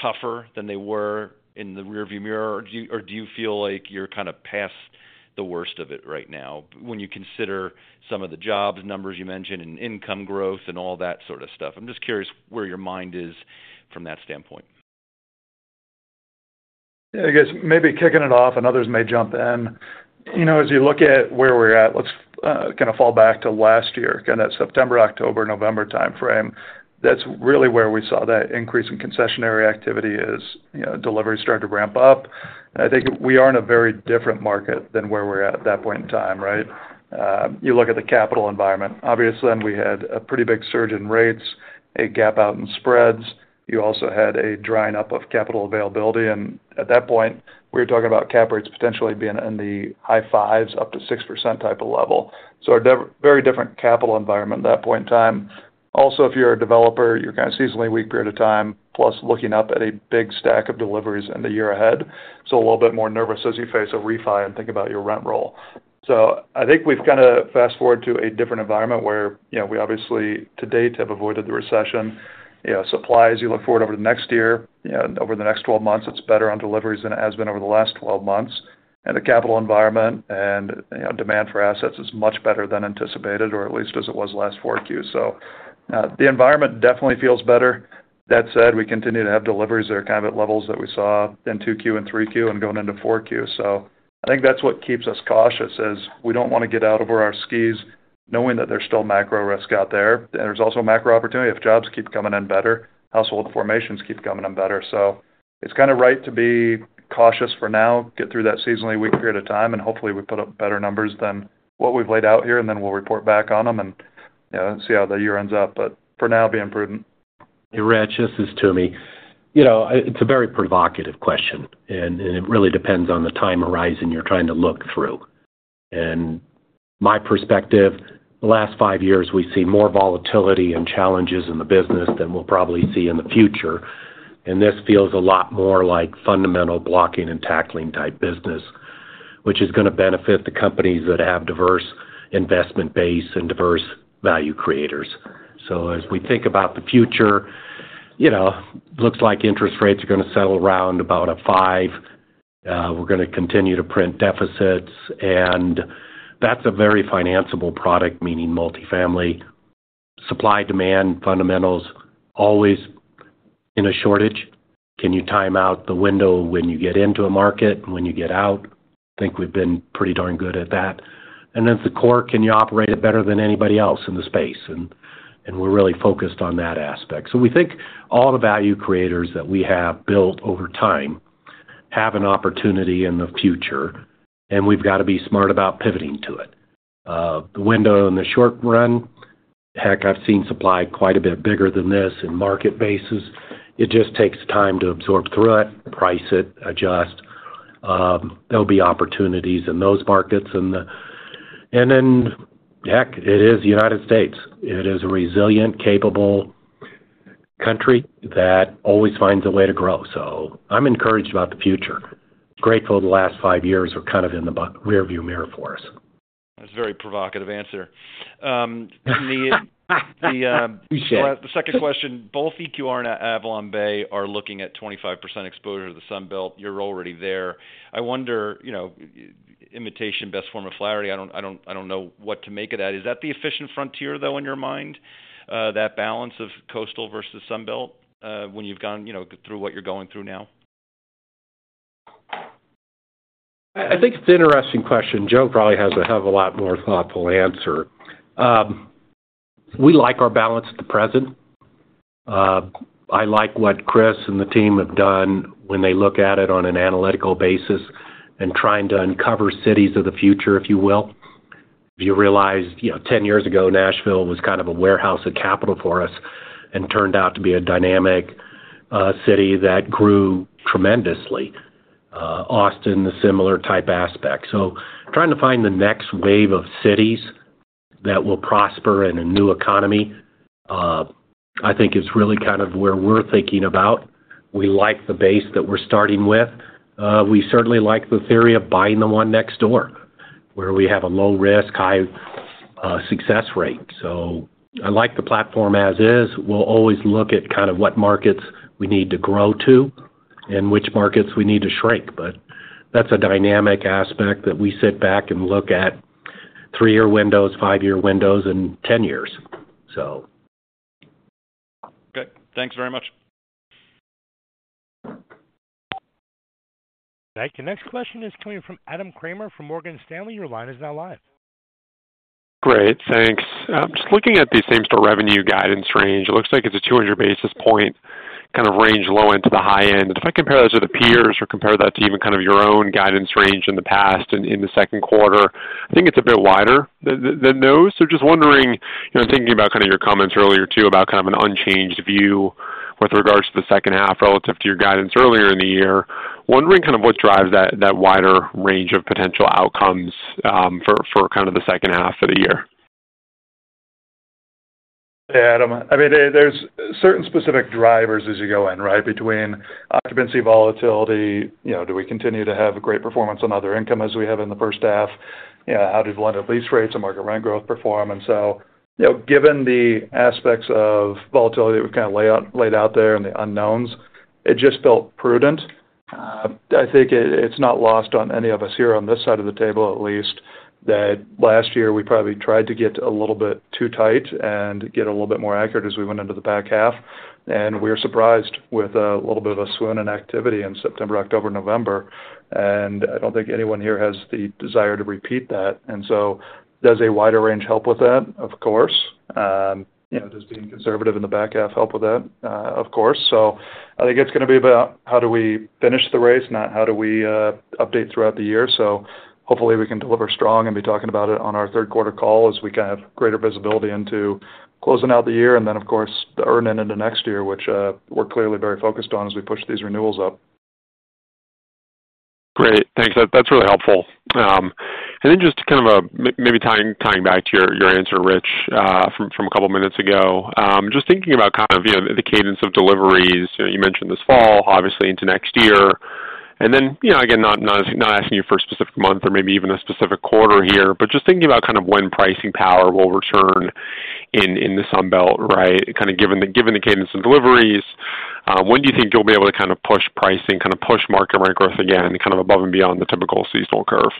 tougher than they were in the rearview mirror, or do you feel like you're kind of past the worst of it right now when you consider some of the jobs numbers you mentioned and income growth and all that sort of stuff? I'm just curious where your mind is from that standpoint. Yeah. I guess maybe kicking it off, and others may jump in. As you look at where we're at, let's kind of fall back to last year, kind of that September, October, November timeframe. That's really where we saw that increase in concessionary activity as deliveries started to ramp up. I think we are in a very different market than where we're at at that point in time, right? You look at the capital environment. Obviously, then we had a pretty big surge in rates, a gap out in spreads. You also had a drying up of capital availability. At that point, we were talking about cap rates potentially being in the high fives, up to 6% type of level. A very different capital environment at that point in time. Also, if you're a developer, you're kind of seasonally weak period of time, plus looking up at a big stack of deliveries in the year ahead. A little bit more nervous as you face a refi and think about your rent roll. So I think we've kind of fast forward to a different environment where we obviously to date have avoided the recession. Supply, you look forward over the next year, over the next 12 months, it's better on deliveries than it has been over the last 12 months. And the capital environment and demand for assets is much better than anticipated, or at least as it was last 4Q. So the environment definitely feels better. That said, we continue to have deliveries that are kind of at levels that we saw in 2Q and 3Q and going into 4Q. So I think that's what keeps us cautious as we don't want to get out over our skis knowing that there's still macro risk out there. And there's also macro opportunity if jobs keep coming in better, household formations keep coming in better. So it's kind of right to be cautious for now, get through that seasonally weak period of time, and hopefully we put up better numbers than what we've laid out here, and then we'll report back on them and see how the year ends up. But for now, be prudent. Hey, Rich, this is Toomey. It's a very provocative question. And it really depends on the time horizon you're trying to look through. And my perspective, the last five years, we've seen more volatility and challenges in the business than we'll probably see in the future. And this feels a lot more like fundamental blocking and tackling type business, which is going to benefit the companies that have diverse investment base and diverse value creators. So as we think about the future, it looks like interest rates are going to settle around about 5. We're going to continue to print deficits. That's a very financeable product, meaning multifamily. Supply demand fundamentals always in a shortage. Can you time out the window when you get into a market and when you get out? I think we've been pretty darn good at that. Then it's the core. Can you operate it better than anybody else in the space? We're really focused on that aspect. So we think all the value creators that we have built over time have an opportunity in the future. We've got to be smart about pivoting to it. The window in the short run, heck, I've seen supply quite a bit bigger than this in market bases. It just takes time to absorb through it, price it, adjust. There'll be opportunities in those markets. Then, heck, it is the United States. It is a resilient, capable country that always finds a way to grow. So I'm encouraged about the future. Grateful the last five years are kind of in the rearview mirror for us. That's a very provocative answer. The second question, both EQR and AvalonBay are looking at 25% exposure to the Sunbelt. You're already there. I wonder, imitation best form of flattery, I don't know what to make of that. Is that the efficient frontier, though, in your mind, that balance of coastal versus Sunbelt when you've gone through what you're going through now? I think it's an interesting question. Joe probably has a hell of a lot more thoughtful answer. We like our balance at the present. I like what Chris and the team have done when they look at it on an analytical basis and trying to uncover cities of the future, if you will. You realize 10 years ago, Nashville was kind of a warehouse of capital for us and turned out to be a dynamic city that grew tremendously. Austin, a similar type aspect. So trying to find the next wave of cities that will prosper in a new economy, I think, is really kind of where we're thinking about. We like the base that we're starting with. We certainly like the theory of buying the one next door where we have a low risk, high success rate. So I like the platform as is. We'll always look at kind of what markets we need to grow to and which markets we need to shrink. But that's a dynamic aspect that we sit back and look at three-year windows, five-year windows, and 10 years, so. Good. Thanks very much. Thank you. Next question is coming from Adam Kramer from Morgan Stanley. Your line is now live. Great. Thanks. Just looking at the same store revenue guidance range, it looks like it's a 200 basis point kind of range low into the high end. If I compare those with the peers or compare that to even kind of your own guidance range in the past and in the second quarter, I think it's a bit wider than those. So just wondering, thinking about kind of your comments earlier too about kind of an unchanged view with regards to the second half relative to your guidance earlier in the year, wondering kind of what drives that wider range of potential outcomes for kind of the second half of the year? Yeah, Adam. I mean, there's certain specific drivers as you go in, right, between occupancy, volatility. Do we continue to have great performance on other income as we have in the first half? How did one of these rates, a market rent growth, perform? So given the aspects of volatility that we've kind of laid out there and the unknowns, it just felt prudent. I think it's not lost on any of us here on this side of the table, at least, that last year we probably tried to get a little bit too tight and get a little bit more accurate as we went into the back half. We're surprised with a little bit of a swim in activity in September, October, November. I don't think anyone here has the desire to repeat that. So does a wider range help with that? Of course. Does being conservative in the back half help with that? Of course. I think it's going to be about how do we finish the race, not how do we update throughout the year. So hopefully we can deliver strong and be talking about it on our third quarter call as we kind of have greater visibility into closing out the year and then, of course, the earnings into next year, which we're clearly very focused on as we push these renewals up. Great. Thanks. That's really helpful. And then just kind of maybe tying back to your answer, Rich, from a couple of minutes ago, just thinking about kind of the cadence of deliveries you mentioned this fall, obviously into next year. And then, again, not asking you for a specific month or maybe even a specific quarter here, but just thinking about kind of when pricing power will return in the Sunbelt, right, kind of given the cadence of deliveries, when do you think you'll be able to kind of push pricing, kind of push market rent growth again, kind of above and beyond the typical seasonal curve?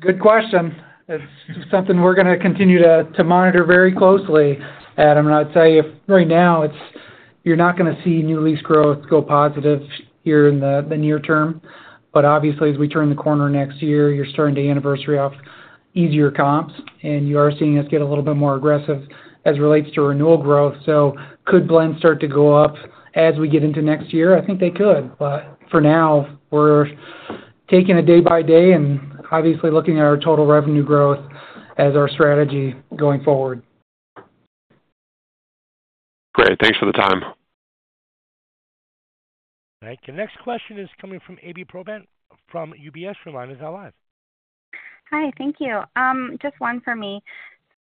Good question. It's something we're going to continue to monitor very closely, Adam, and I'll tell you, right now, you're not going to see new lease growth go positive here in the near term. But obviously, as we turn the corner next year, you're starting to anniversary off easier comps, and you are seeing us get a little bit more aggressive as it relates to renewal growth. So could blends start to go up as we get into next year? I think they could. But for now, we're taking it day by day and obviously looking at our total revenue growth as our strategy going forward. Great. Thanks for the time. Thank you. Next question is coming from Ami Probandt from UBS. Your line is now live. Hi. Thank you. Just one for me.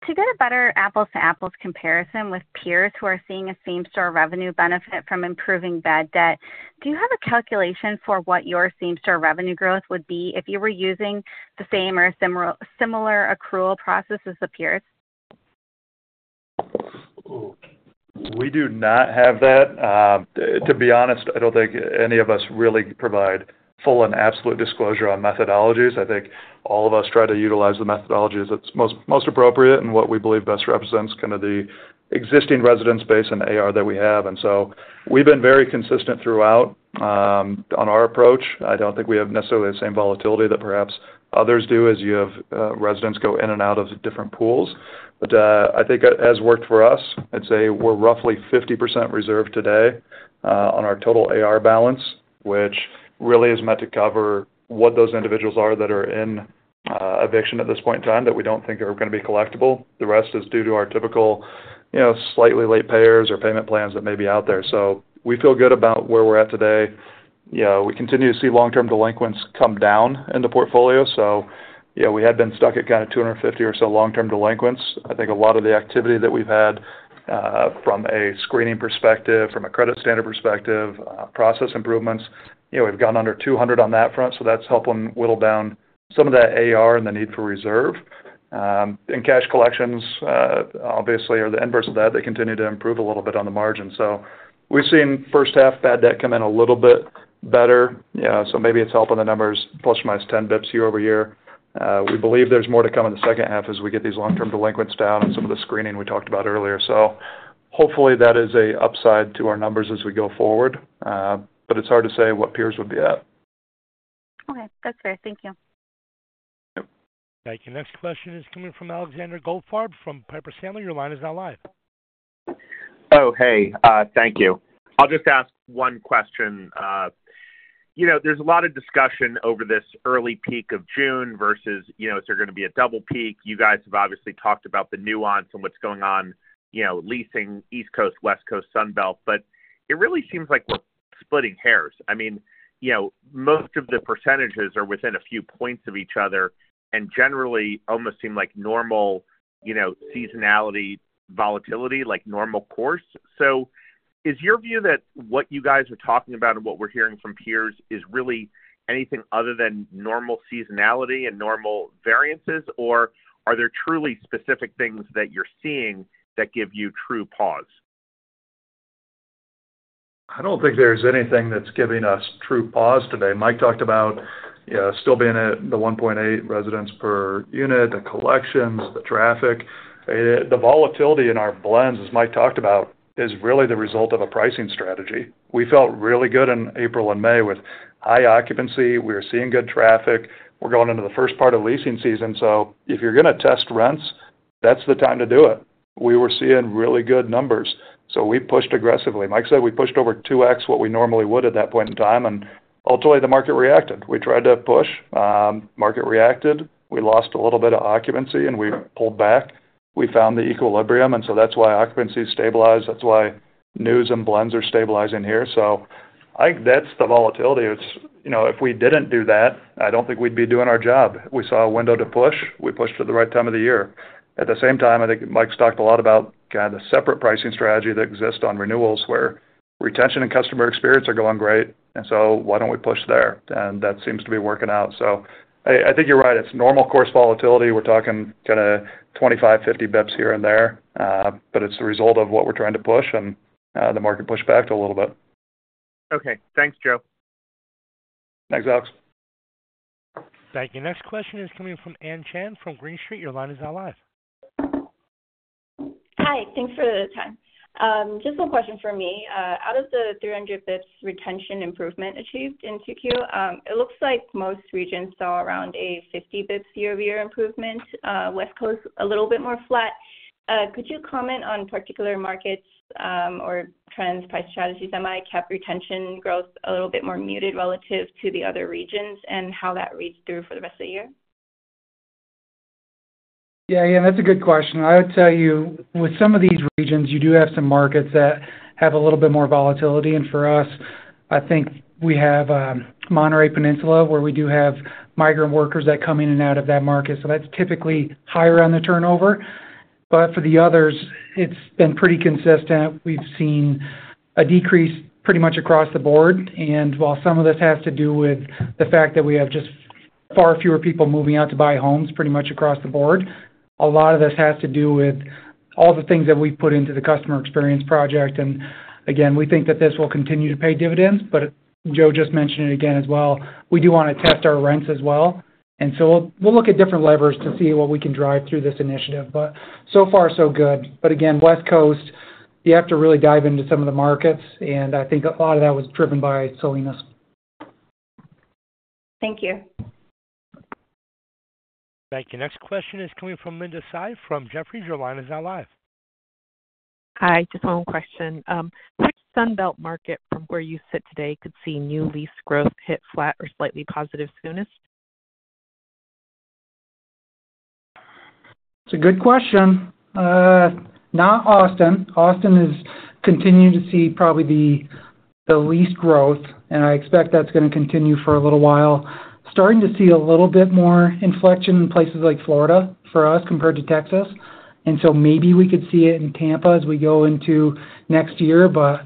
To get a better apples-to-apples comparison with peers who are seeing a same-store revenue benefit from improving bad debt, do you have a calculation for what your same-store revenue growth would be if you were using the same or similar accrual process as the peers? We do not have that. To be honest, I don't think any of us really provide full and absolute disclosure on methodologies. I think all of us try to utilize the methodology that's most appropriate and what we believe best represents kind of the existing residence base and AR that we have. And so we've been very consistent throughout on our approach. I don't think we have necessarily the same volatility that perhaps others do as you have residents go in and out of different pools. But I think it has worked for us. I'd say we're roughly 50% reserved today on our total AR balance, which really is meant to cover what those individuals are that are in eviction at this point in time that we don't think are going to be collectible. The rest is due to our typical slightly late payers or payment plans that may be out there. So we feel good about where we're at today. We continue to see long-term delinquents come down in the portfolio. So we had been stuck at kind of 250 or so long-term delinquents. I think a lot of the activity that we've had from a screening perspective, from a credit standard perspective, process improvements, we've gone under 200 on that front. So that's helping whittle down some of that AR and the need for reserve. And cash collections, obviously, are the inverse of that. They continue to improve a little bit on the margin. So we've seen first half bad debt come in a little bit better. So maybe it's helping the numbers ±10 bps year-over-year. We believe there's more to come in the second half as we get these long-term delinquents down and some of the screening we talked about earlier. So hopefully that is an upside to our numbers as we go forward. But it's hard to say what peers would be at. Okay. That's fair. Thank you. Thank you. Next question is coming from Alexander Goldfarb from Piper Sandler. Your line is now live. Oh, hey. Thank you. I'll just ask one question. There's a lot of discussion over this early peak of June versus is there going to be a double peak? You guys have obviously talked about the nuance and what's going on leasing East Coast, West Coast, Sunbelt. But it really seems like we're splitting hairs. I mean, most of the percentages are within a few points of each other and generally almost seem like normal seasonality volatility, like normal course. So is your view that what you guys are talking about and what we're hearing from peers is really anything other than normal seasonality and normal variances, or are there truly specific things that you're seeing that give you true pause? I don't think there's anything that's giving us true pause today. Mike talked about still being at the 1.8 residents per unit, the collections, the traffic. The volatility in our blends, as Mike talked about, is really the result of a pricing strategy. We felt really good in April and May with high occupancy. We were seeing good traffic. We're going into the first part of leasing season. So if you're going to test rents, that's the time to do it. We were seeing really good numbers. So we pushed aggressively. Mike said we pushed over 2x what we normally would at that point in time. And ultimately, the market reacted. We tried to push. Market reacted. We lost a little bit of occupancy, and we pulled back. We found the equilibrium. And so that's why occupancy stabilized. That's why NOIs and blends are stabilizing here. So that's the volatility. If we didn't do that, I don't think we'd be doing our job. We saw a window to push. We pushed at the right time of the year. At the same time, I think Mike's talked a lot about kind of the separate pricing strategy that exists on renewals where retention and customer experience are going great. And so why don't we push there? And that seems to be working out. So I think you're right. It's normal course volatility. We're talking kind of 25, 50 basis points here and there. But it's the result of what we're trying to push, and the market pushed back a little bit. Okay. Thanks, Joe. Thanks, Alex. Thank you. Next question is coming from Ann Chan from Green Street. Your line is now live. Hi. Thanks for the time. Just a question for me. Out of the 300 bps retention improvement achieved in TQ, it looks like most regions saw around a 50 bps year-over-year improvement. West Coast, a little bit more flat. Could you comment on particular markets or trends, price strategies that might cap retention growth a little bit more muted relative to the other regions and how that reads through for the rest of the year? Yeah. Yeah. That's a good question. I would tell you, with some of these regions, you do have some markets that have a little bit more volatility. And for us, I think we have Monterey Peninsula where we do have migrant workers that come in and out of that market. So that's typically higher on the turnover. But for the others, it's been pretty consistent. We've seen a decrease pretty much across the board. And while some of this has to do with the fact that we have just far fewer people moving out to buy homes pretty much across the board, a lot of this has to do with all the things that we've put into the Customer Experience Project. And again, we think that this will continue to pay dividends. But Joe just mentioned it again as well. We do want to test our rents as well. And so we'll look at different levers to see what we can drive through this initiative. But so far, so good. But again, West Coast, you have to really dive into some of the markets. And I think a lot of that was driven by Salinas. Thank you. Thank you. Next question is coming from Linda Tsai from Jefferies. Your line is now live. Hi. Just one question. Which Sunbelt market from where you sit today could see new lease growth hit flat or slightly positive soonest? That's a good question. Not Austin. Austin is continuing to see probably the least growth. I expect that's going to continue for a little while. Starting to see a little bit more inflection in places like Florida for us compared to Texas. So maybe we could see it in Tampa as we go into next year. But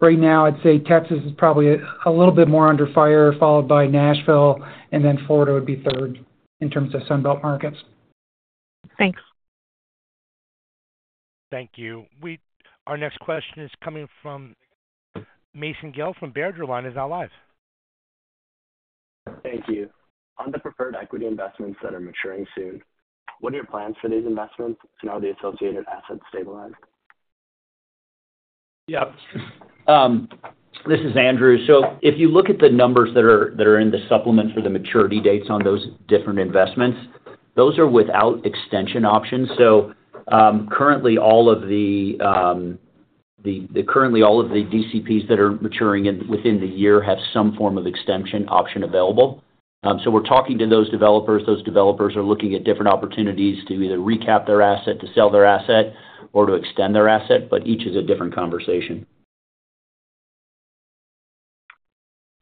right now, I'd say Texas is probably a little bit more under fire, followed by Nashville. Then Florida would be third in terms of Sunbelt markets. Thanks. Thank you. Our next question is coming from Mason Guell from Baird. Your line is now live. Thank you. On the preferred equity investments that are maturing soon, what are your plans for these investments and how are the associated assets stabilized? Yep. This is Andrew. So if you look at the numbers that are in the supplement for the maturity dates on those different investments, those are without extension options. So currently, all of the DCPs that are maturing within the year have some form of extension option available. So we're talking to those developers. Those developers are looking at different opportunities to either recap their asset, to sell their asset, or to extend their asset. But each is a different conversation.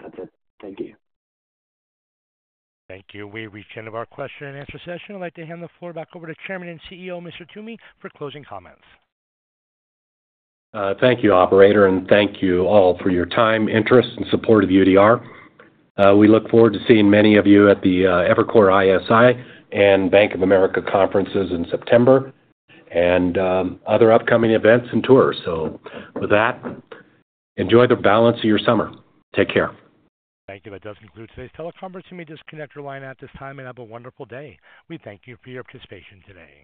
That's it. Thank you. Thank you. We've reached the end of our question and answer session. I'd like to hand the floor back over to Chairman and CEO, Mr. Toomey, for closing comments. Thank you, Operator. And thank you all for your time, interest, and support of UDR. We look forward to seeing many of you at the Evercore ISI and Bank of America conferences in September and other upcoming events and tours. So with that, enjoy the balance of your summer. Take care. Thank you. That does conclude today's teleconference. You may disconnect your line at this time, and have a wonderful day. We thank you for your participation today.